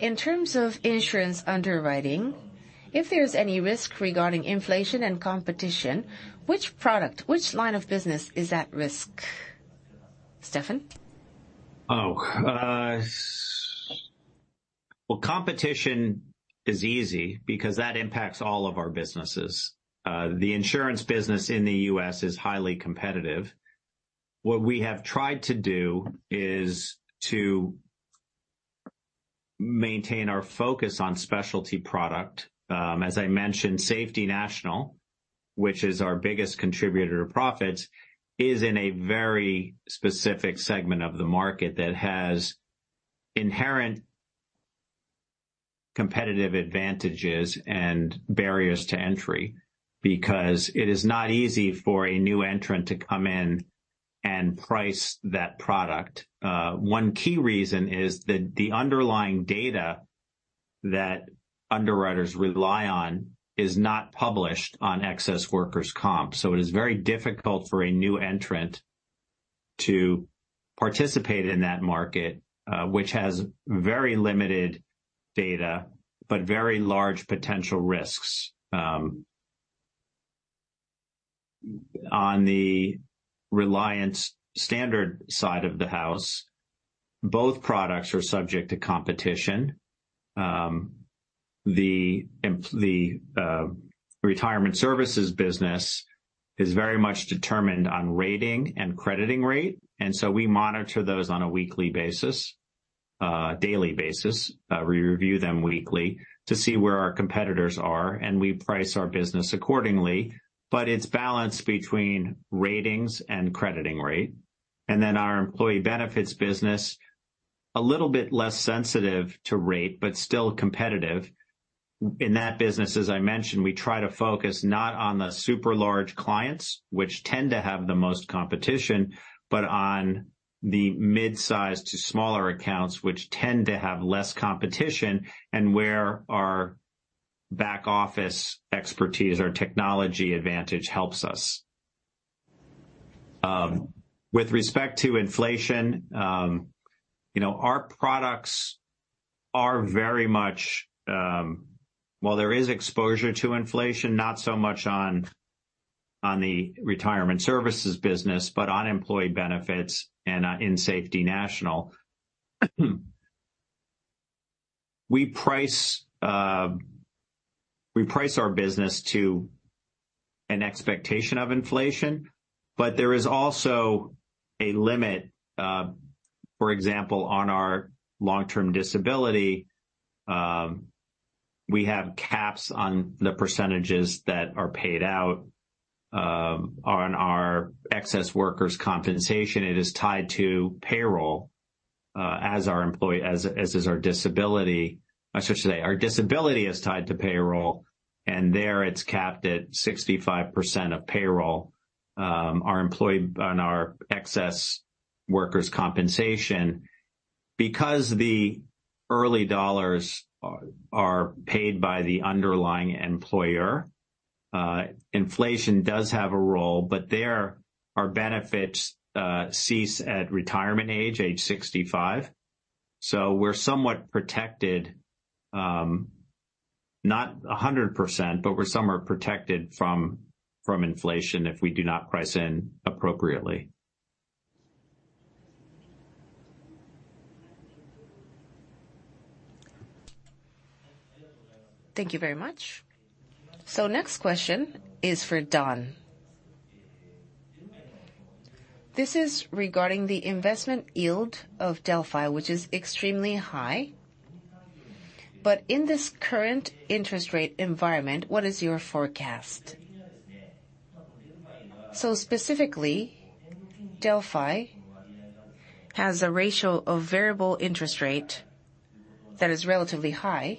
S1: In terms of insurance underwriting, if there's any risk regarding inflation and competition, which product, which line of business is at risk? Stephan?
S3: Well, competition is easy because that impacts all of our businesses. The insurance business in the U.S. is highly competitive. What we have tried to do is to maintain our focus on specialty product. As I mentioned, Safety National, which is our biggest contributor to profits, is in a very specific segment of the market that has inherent competitive advantages and barriers to entry because it is not easy for a new entrant to come in and price that product. One key reason is that the underlying data that underwriters rely on is not published on excess workers' comp. It is very difficult for a new entrant to participate in that market, which has very limited data, but very large potential risks. On the Reliance Standard side of the house, both products are subject to competition. The retirement services business is very much determined on rating and crediting rate. We monitor those on a weekly basis, daily basis. We review them weekly to see where our competitors are. We price our business accordingly. It's balanced between ratings and crediting rate. Our employee benefits business, a little bit less sensitive to rate, but still competitive. In that business, as I mentioned, we try to focus not on the super large clients, which tend to have the most competition, but on the mid-size to smaller accounts, which tend to have less competition and where our back office expertise, our technology advantage helps us. With respect to inflation, our products are very much, while there is exposure to inflation, not so much on the retirement services business, but on employee benefits and in Safety National. We price our business to an expectation of inflation. There is also a limit. For example, on our long-term disability, we have caps on the percentages that are paid out. On our excess workers' compensation, it is tied to payroll as is our disability. I should say, our disability is tied to payroll, and there it's capped at 65% of payroll on our excess workers' compensation. Because the early dollars are paid by the underlying employer, inflation does have a role, but there our benefits cease at retirement age 65. We're somewhat protected, not 100%, but we're somewhat protected from inflation if we do not price in appropriately.
S1: Thank you very much. Next question is for Don. This is regarding the investment yield of Delphi, which is extremely high. In this current interest rate environment, what is your forecast? Specifically, Delphi has a ratio of variable interest rate that is relatively high.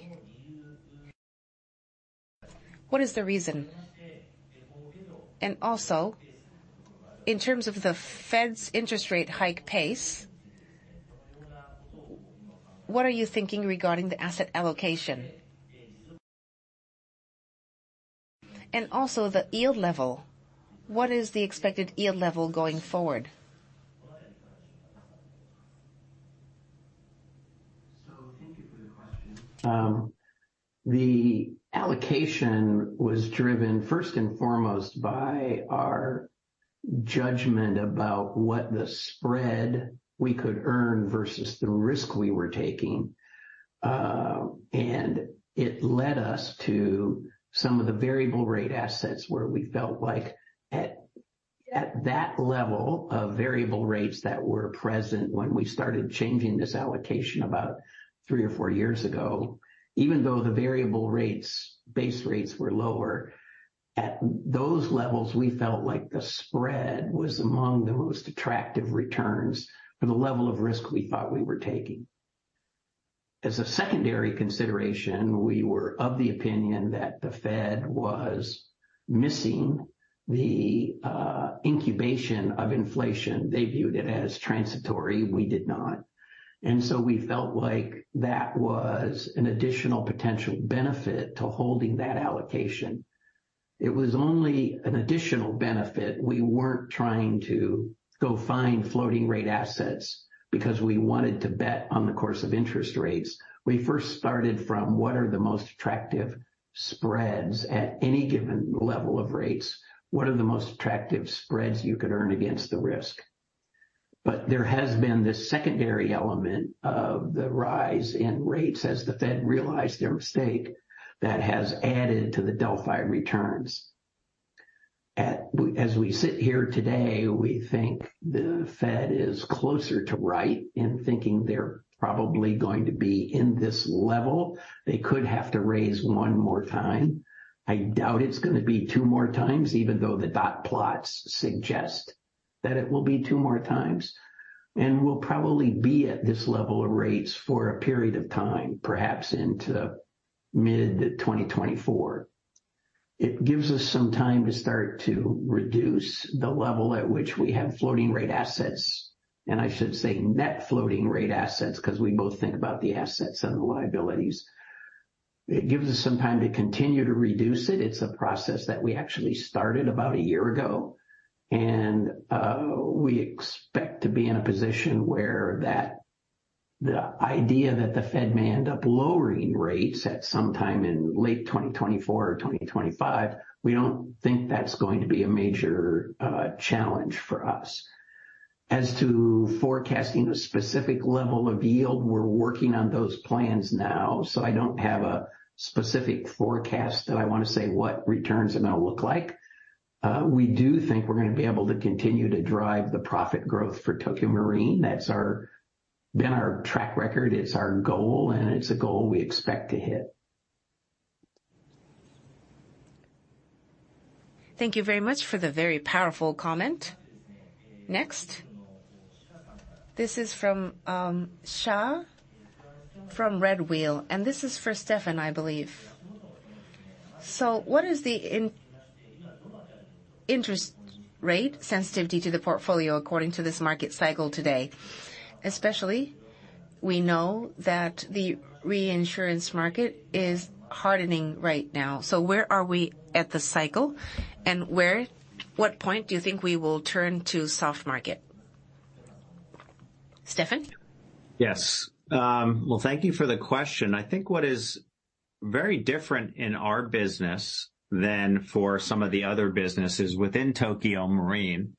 S1: What is the reason? In terms of the Fed's interest rate hike pace, what are you thinking regarding the asset allocation? The yield level. What is the expected yield level going forward?
S2: Thank you for the question. The allocation was driven first and foremost by our judgment about what the spread we could earn versus the risk we were taking. It led us to some of the variable rate assets where we felt like at that level of variable rates that were present when we started changing this allocation about three or four years ago, even though the variable base rates were lower. At those levels, we felt like the spread was among the most attractive returns for the level of risk we thought we were taking. As a secondary consideration, we were of the opinion that the Fed was missing the incubation of inflation. They viewed it as transitory. We did not. We felt like that was an additional potential benefit to holding that allocation. It was only an additional benefit. We weren't trying to go find floating rate assets because we wanted to bet on the course of interest rates. We first started from what are the most attractive spreads at any given level of rates? What are the most attractive spreads you could earn against the risk? There has been this secondary element of the rise in rates as the Fed realized their mistake that has added to the Delphi returns. As we sit here today, we think the Fed is closer to right in thinking they're probably going to be in this level. They could have to raise one more time. I doubt it's going to be two more times, even though the dot plots suggest that it will be two more times, and we'll probably be at this level of rates for a period of time, perhaps into mid 2024. It gives us some time to start to reduce the level at which we have floating rate assets, and I should say net floating rate assets because we both think about the assets and the liabilities. It gives us some time to continue to reduce it. It's a process that we actually started about a year ago, and we expect to be in a position where the idea that the Fed may end up lowering rates at some time in late 2024 or 2025, we don't think that's going to be a major challenge for us. As to forecasting the specific level of yield, we're working on those plans now. I don't have a specific forecast that I want to say what returns are going to look like. We do think we're going to be able to continue to drive the profit growth for Tokio Marine. That's been our track record. It's our goal, and it's a goal we expect to hit.
S1: Thank you very much for the very powerful comment. This is from Shah from Redwheel, and this is for Stephan, I believe. What is the interest rate sensitivity to the portfolio according to this market cycle today? Especially, we know that the reinsurance market is hardening right now. Where are we at the cycle, and what point do you think we will turn to soft market? Stephan?
S3: Yes. Well, thank you for the question. I think what is very different in our business than for some of the other businesses within Tokio Marine,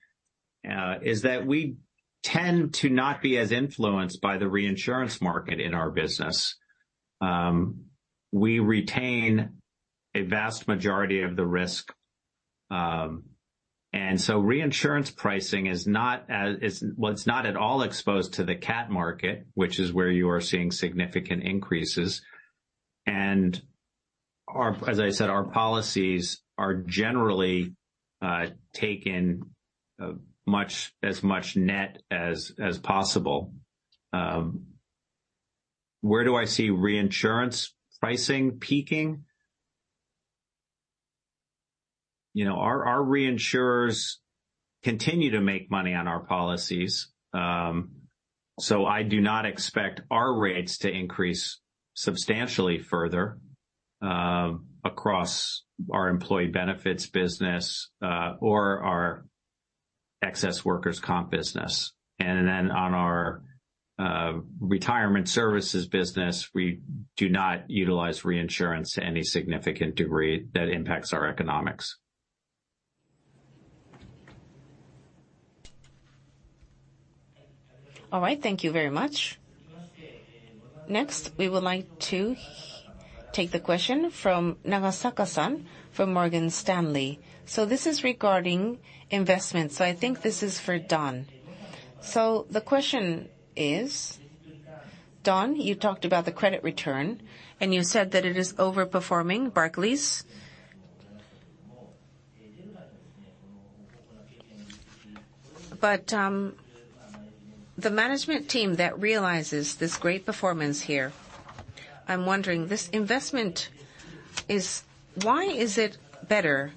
S3: is that we tend to not be as influenced by the reinsurance market in our business. We retain a vast majority of the risk. Reinsurance pricing, well, it's not at all exposed to the cat market, which is where you are seeing significant increases. As I said, our policies are generally taken as much net as possible. Where do I see reinsurance pricing peaking? Our reinsurers continue to make money on our policies. I do not expect our rates to increase substantially further across our employee benefits business, or our excess workers' comp business. On our retirement services business, we do not utilize reinsurance to any significant degree that impacts our economics.
S1: All right. Thank you very much. Next, we would like to take the question from Nagasaka-san from Morgan Stanley. This is regarding investments. I think this is for Don. The question is, Don, you talked about the credit return, and you said that it is over-performing Barclays. The management team that realizes this great performance here, I'm wondering, this investment, why is it better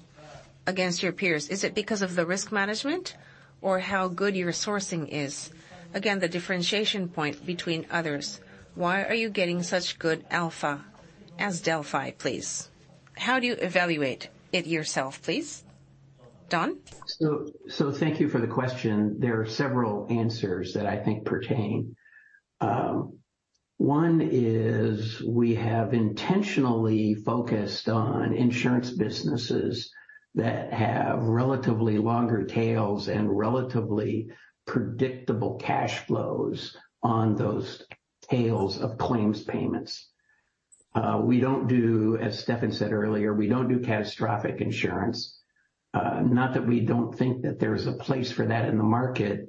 S1: against your peers? Is it because of the risk management or how good your sourcing is? Again, the differentiation point between others. Why are you getting such good alpha as Delphi, please? How do you evaluate it yourself, please? Don?
S2: Thank you for the question. There are several answers that I think pertain. One is we have intentionally focused on insurance businesses that have relatively longer tails and relatively predictable cash flows on those tails of claims payments. As Stephan said earlier, we don't do catastrophic insurance. Not that we don't think that there's a place for that in the market,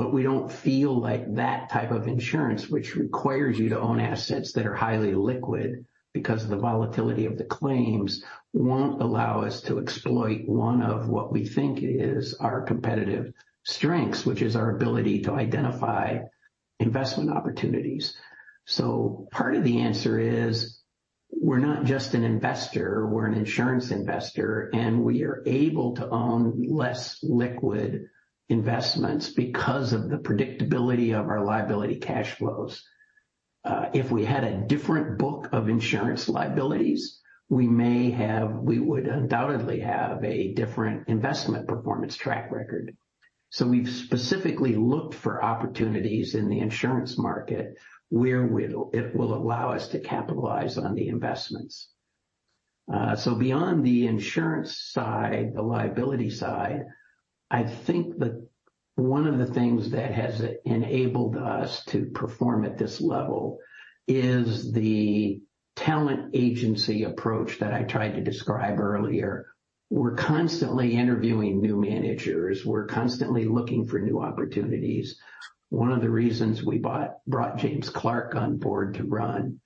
S2: but we don't feel like that type of insurance, which requires you to own assets that are highly liquid because of the volatility of the claims, won't allow us to exploit one of what we think is our competitive strengths, which is our ability to identify investment opportunities. Part of the answer is we're not just an investor, we're an insurance investor, and we are able to own less liquid investments because of the predictability of our liability cash flows. If we had a different book of insurance liabilities, we would undoubtedly have a different investment performance track record. We've specifically looked for opportunities in the insurance market where it will allow us to capitalize on the investments. Beyond the insurance side, the liability side, I think that one of the things that has enabled us to perform at this level is the talent agency approach that I tried to describe earlier. We're constantly interviewing new managers. We're constantly looking for new opportunities. One of the reasons we brought James Clark on board to run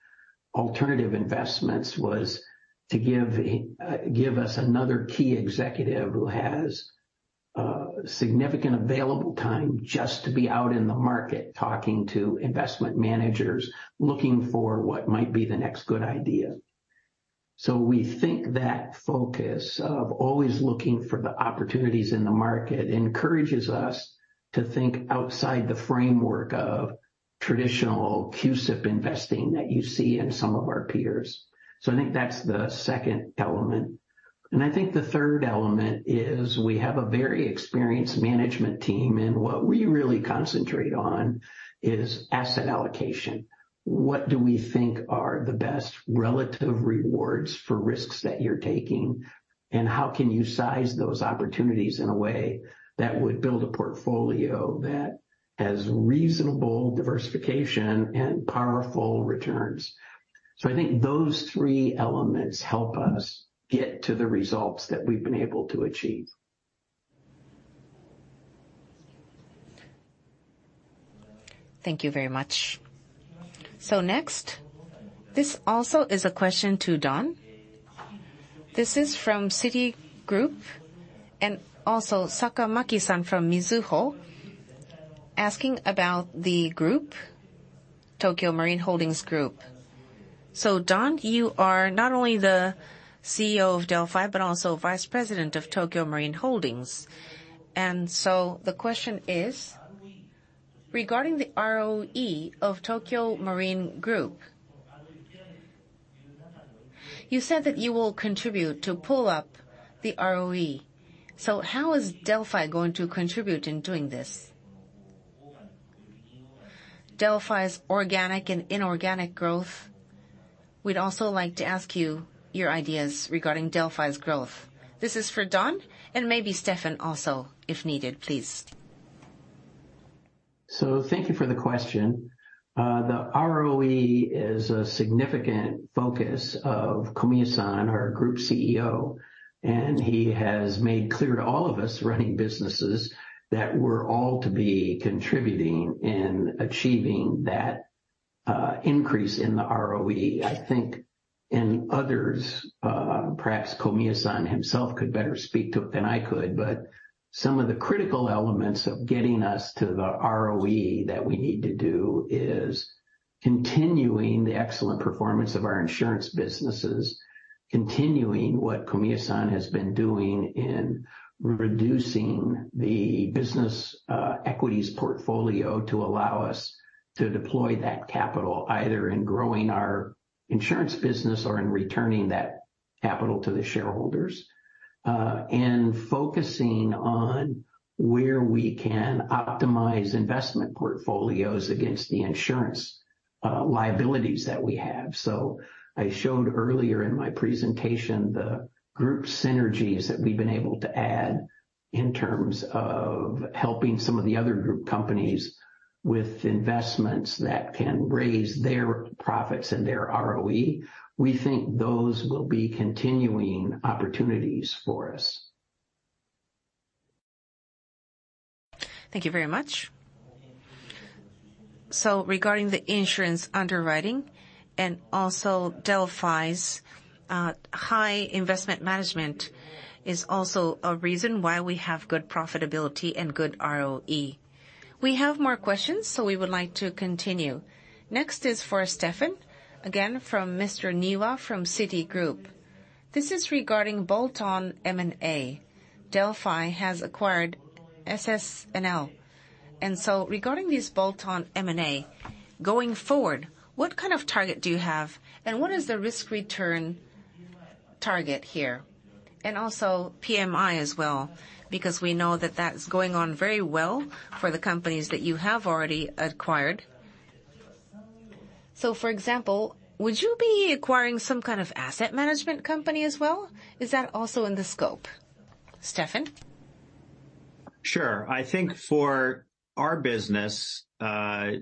S2: alternative investments was to give us another key executive who has significant available time just to be out in the market talking to investment managers, looking for what might be the next good idea. We think that focus of always looking for the opportunities in the market encourages us to think outside the framework of traditional CUSIP investing that you see in some of our peers. I think that's the second element. I think the third element is we have a very experienced management team, and what we really concentrate on is asset allocation. What do we think are the best relative rewards for risks that you're taking, and how can you size those opportunities in a way that would build a portfolio that has reasonable diversification and powerful returns? I think those three elements help us get to the results that we've been able to achieve.
S1: Thank you very much. Next, this also is a question to Don. This is from Citigroup and also Saka Maki-san from Mizuho, asking about the group, Tokio Marine Holdings Group. Don, you are not only the CEO of Delphi, but also Vice President of Tokio Marine Holdings. The question is, regarding the ROE of Tokio Marine Group, you said that you will contribute to pull up the ROE. How is Delphi going to contribute in doing this? Delphi's organic and inorganic growth. We'd also like to ask you your ideas regarding Delphi's growth. This is for Don and maybe Stephan also, if needed, please.
S2: Thank you for the question. The ROE is a significant focus of Komiya-san, our Group CEO, and he has made clear to all of us running businesses that we're all to be contributing in achieving that increase in the ROE. I think, and others, perhaps Komiya-san himself could better speak to it than I could, but some of the critical elements of getting us to the ROE that we need to do is continuing the excellent performance of our insurance businesses, continuing what Komiya-san has been doing in reducing the business-related equities portfolio to allow us to deploy that capital either in growing our insurance business or in returning that capital to the shareholders, and focusing on where we can optimize investment portfolios against the insurance liabilities that we have. I showed earlier in my presentation the group synergies that we've been able to add in terms of helping some of the other group companies with investments that can raise their profits and their ROE. We think those will be continuing opportunities for us.
S1: Thank you very much. Regarding the insurance underwriting and also Delphi's high investment management is also a reason why we have good profitability and good ROE. We have more questions, so we would like to continue. Next is for Stephan, again from Mr. Niwa from Citigroup. Regarding this bolt-on M&A, Delphi has acquired SS&L. Regarding this bolt-on M&A, going forward, what kind of target do you have, and what is the risk-return target here? PMI as well, because we know that that's going on very well for the companies that you have already acquired. For example, would you be acquiring some kind of asset management company as well? Is that also in the scope? Stephan?
S3: Sure. I think for our business, I'll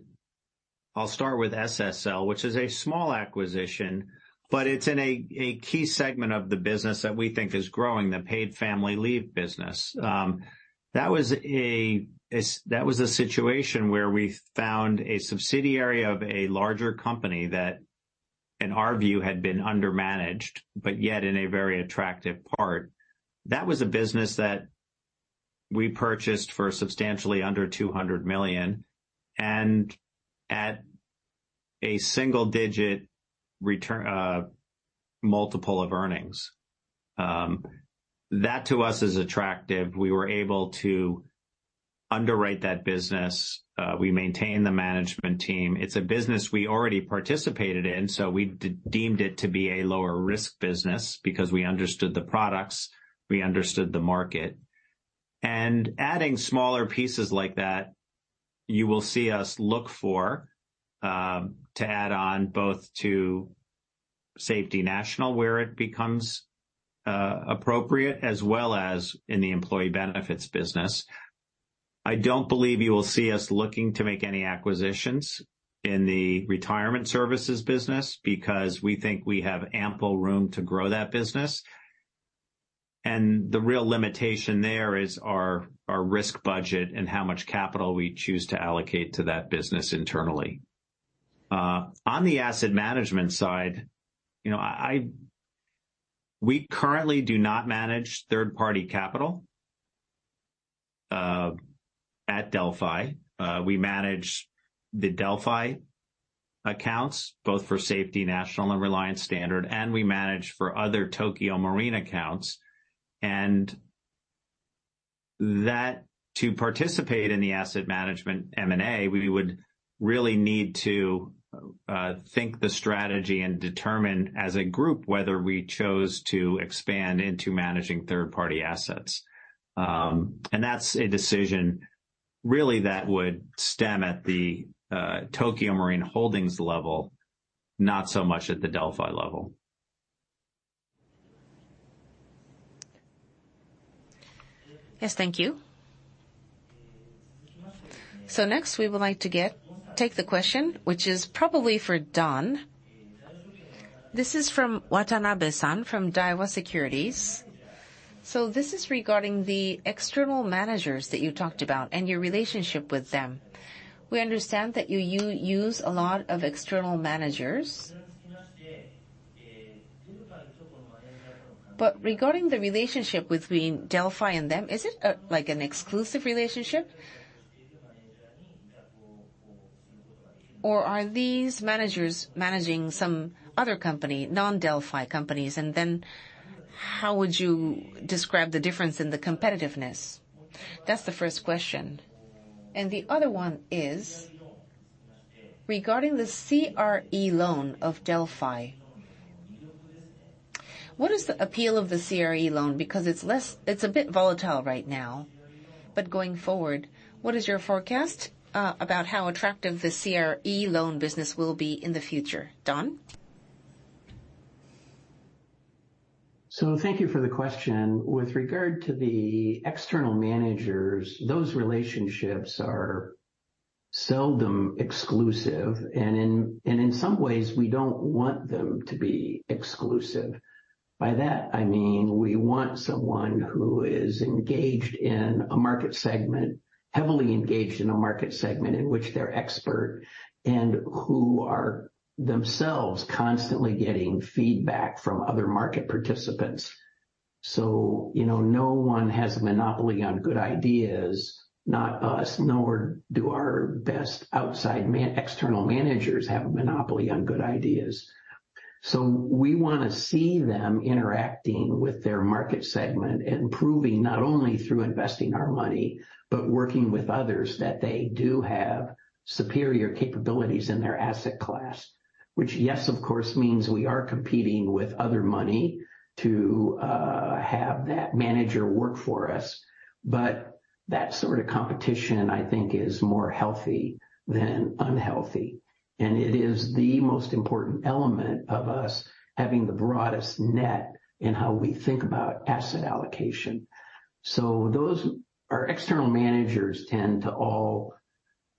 S3: start with SS&L, which is a small acquisition, but it's in a key segment of the business that we think is growing, the paid family leave business. That was a situation where we found a subsidiary of a larger company that, in our view, had been undermanaged, but yet in a very attractive part. That was a business that we purchased for substantially under 200 million and at a single-digit multiple of earnings. That to us is attractive. We were able to underwrite that business. We maintained the management team. It's a business we already participated in, so we deemed it to be a lower-risk business because we understood the products, we understood the market. Adding smaller pieces like that, you will see us look for to add on both to Safety National, where it becomes appropriate, as well as in the employee benefits business. I don't believe you will see us looking to make any acquisitions in the retirement services business because we think we have ample room to grow that business. The real limitation there is our risk budget and how much capital we choose to allocate to that business internally. On the asset management side, we currently do not manage third-party capital at Delphi. We manage the Delphi accounts, both for Safety National and Reliance Standard, and we manage for other Tokio Marine accounts. That to participate in the asset management M&A, we would really need to think the strategy and determine as a group whether we chose to expand into managing third-party assets. That's a decision really that would stem at the Tokio Marine Holdings level, not so much at the Delphi level.
S1: Next, we would like to take the question, which is probably for Don. This is from Watanabe-san from Daiwa Securities. This is regarding the external managers that you talked about and your relationship with them. We understand that you use a lot of external managers. Regarding the relationship between Delphi and them, is it like an exclusive relationship? Or are these managers managing some other company, non-Delphi companies? How would you describe the difference in the competitiveness? That's the first question. The other one is regarding the CRE loan of Delphi. What is the appeal of the CRE loan? Because it's a bit volatile right now, but going forward, what is your forecast about how attractive the CRE loan business will be in the future? Don?
S2: Thank you for the question. With regard to the external managers, those relationships are seldom exclusive, and in some ways, we don't want them to be exclusive. By that I mean we want someone who is engaged in a market segment, heavily engaged in a market segment in which they're expert and who are themselves constantly getting feedback from other market participants. No one has a monopoly on good ideas, not us, nor do our best outside external managers have a monopoly on good ideas. We want to see them interacting with their market segment and proving not only through investing our money, but working with others, that they do have superior capabilities in their asset class. Which, yes, of course means we are competing with other money to have that manager work for us. That sort of competition, I think, is more healthy than unhealthy, and it is the most important element of us having the broadest net in how we think about asset allocation. Our external managers tend to all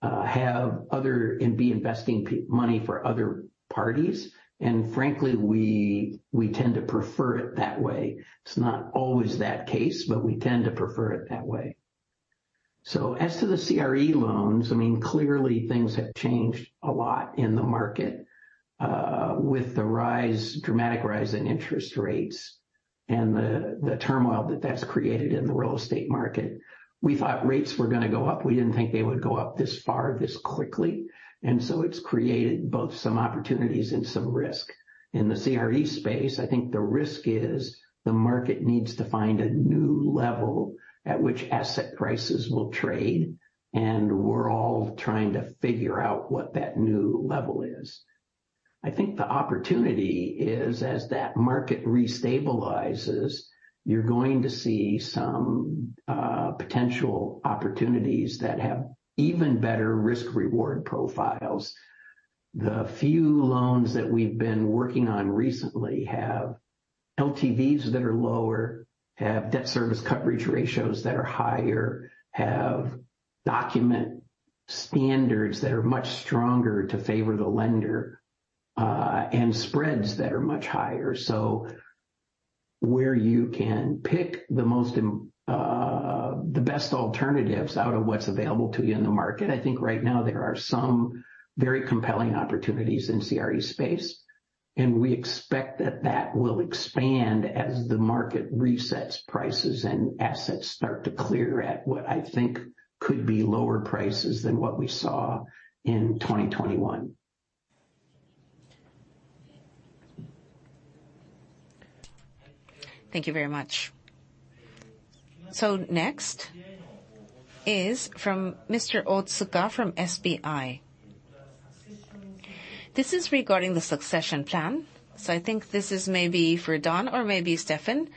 S2: have other and be investing money for other parties. Frankly, we tend to prefer it that way. It's not always that case, but we tend to prefer it that way. As to the CRE loans, clearly things have changed a lot in the market, with the dramatic rise in interest rates and the turmoil that that's created in the real estate market. We thought rates were going to go up. We didn't think they would go up this far this quickly. It's created both some opportunities and some risk. In the CRE space, I think the risk is the market needs to find a new level at which asset prices will trade, and we're all trying to figure out what that new level is. I think the opportunity is as that market restabilizes, you're going to see some potential opportunities that have even better risk-reward profiles. The few loans that we've been working on recently have LTVs that are lower, have debt service coverage ratios that are higher, have document standards that are much stronger to favor the lender, and spreads that are much higher. Where you can pick the best alternatives out of what's available to you in the market, I think right now there are some very compelling opportunities in CRE space, and we expect that that will expand as the market resets prices and assets start to clear at what I think could be lower prices than what we saw in 2021.
S1: Thank you very much. Next is from Mr. Otsuka from SBI. This is regarding the succession plan. I think this is maybe for Don or maybe Stephan.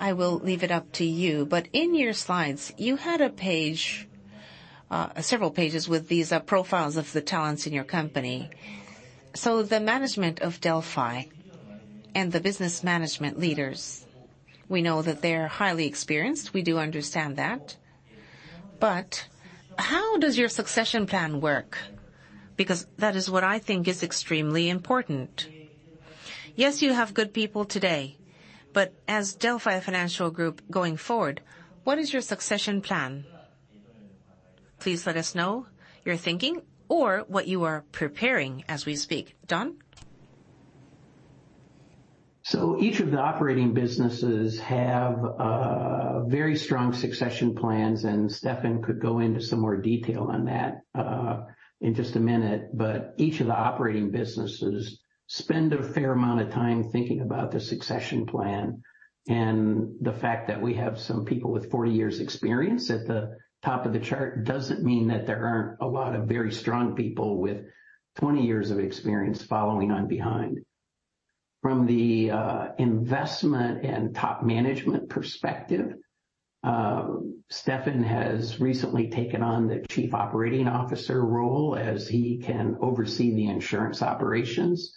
S1: I will leave it up to you. In your slides, you had several pages with these profiles of the talents in your company. The management of Delphi and the business management leaders, we know that they're highly experienced. We do understand that. How does your succession plan work? That is what I think is extremely important. Yes, you have good people today, but as Delphi Financial Group going forward, what is your succession plan? Please let us know your thinking or what you are preparing as we speak. Don?
S2: Each of the operating businesses have very strong succession plans, and Stephan could go into some more detail on that in just a minute. Each of the operating businesses spend a fair amount of time thinking about the succession plan. The fact that we have some people with 40 years experience at the top of the chart doesn't mean that there aren't a lot of very strong people with 20 years of experience following on behind. From the investment and top management perspective, Stephan has recently taken on the Chief Operating Officer role as he can oversee the insurance operations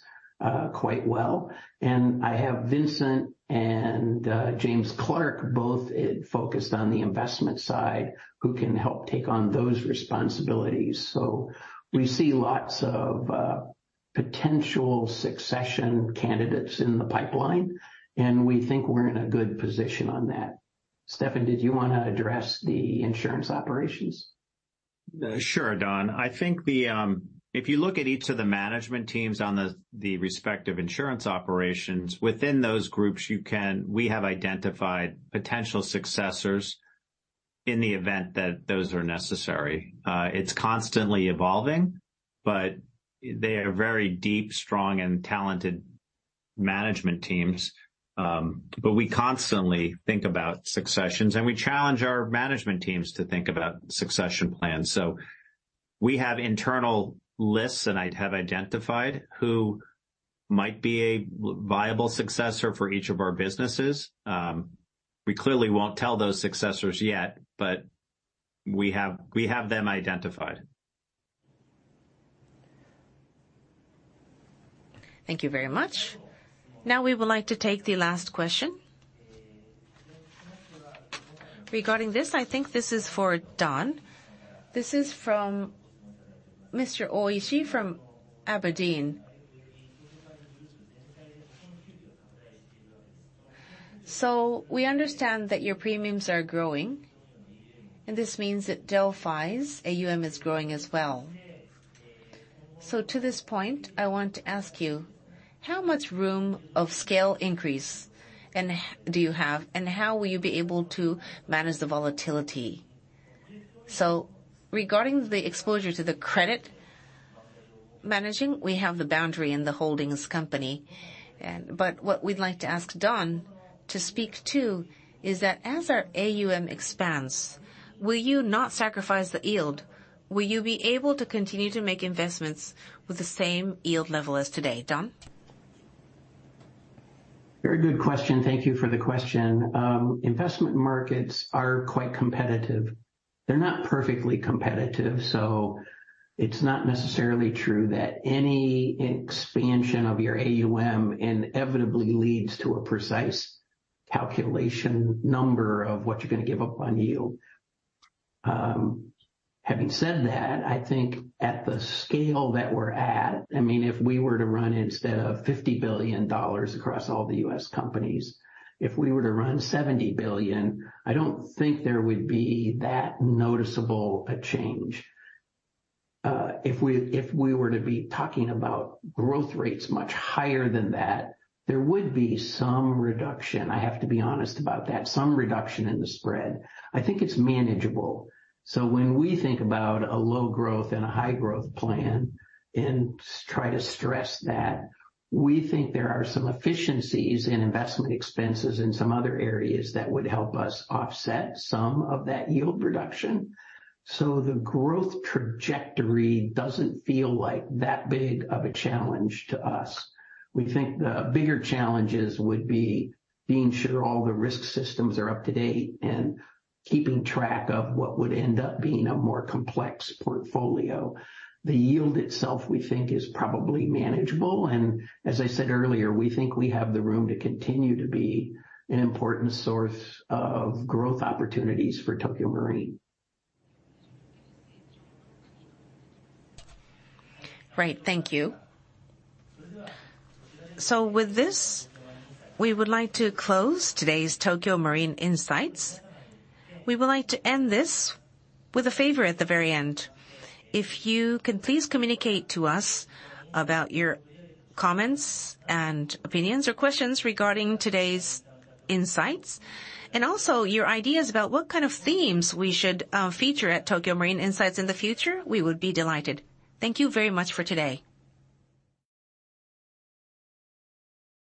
S2: quite well. I have Vincent and James Clark both focused on the investment side, who can help take on those responsibilities. We see lots of potential succession candidates in the pipeline, and we think we're in a good position on that. Stephan, did you want to address the insurance operations?
S3: Sure, Don. I think if you look at each of the management teams on the respective insurance operations, within those groups, we have identified potential successors in the event that those are necessary. It's constantly evolving, but they are very deep, strong and talented management teams. We constantly think about successions, and we challenge our management teams to think about succession plans. We have internal lists that I have identified who might be a viable successor for each of our businesses. We clearly won't tell those successors yet, but we have them identified.
S1: Thank you very much. Now we would like to take the last question. Regarding this, I think this is for Don. This is from Mr. Oishi from Aberdeen. We understand that your premiums are growing, and this means that Delphi's AUM is growing as well. To this point, I want to ask you, how much room of scale increase do you have, and how will you be able to manage the volatility? Regarding the exposure to the credit managing, we have the boundary in the holdings company. What we'd like to ask Don to speak to is that as our AUM expands, will you not sacrifice the yield? Will you be able to continue to make investments with the same yield level as today? Don?
S2: Very good question. Thank you for the question. Investment markets are quite competitive. They're not perfectly competitive, so it's not necessarily true that any expansion of your AUM inevitably leads to a precise calculation number of what you're going to give up on yield. Having said that, I think at the scale that we're at, if we were to run instead of $50 billion across all the U.S. companies, if we were to run $70 billion, I don't think there would be that noticeable a change. If we were to be talking about growth rates much higher than that, there would be some reduction, I have to be honest about that. Some reduction in the spread. I think it's manageable. When we think about a low growth and a high growth plan and try to stress that, we think there are some efficiencies in investment expenses in some other areas that would help us offset some of that yield reduction. The growth trajectory doesn't feel like that big of a challenge to us. We think the bigger challenges would be being sure all the risk systems are up to date and keeping track of what would end up being a more complex portfolio. The yield itself, we think, is probably manageable, and as I said earlier, we think we have the room to continue to be an important source of growth opportunities for Tokio Marine.
S1: Great. Thank you. With this, we would like to close today's Tokio Marine Insights. We would like to end this with a favor at the very end. If you can please communicate to us about your comments and opinions or questions regarding today's insights, and also your ideas about what kind of themes we should feature at Tokio Marine Insights in the future, we would be delighted. Thank you very much for today.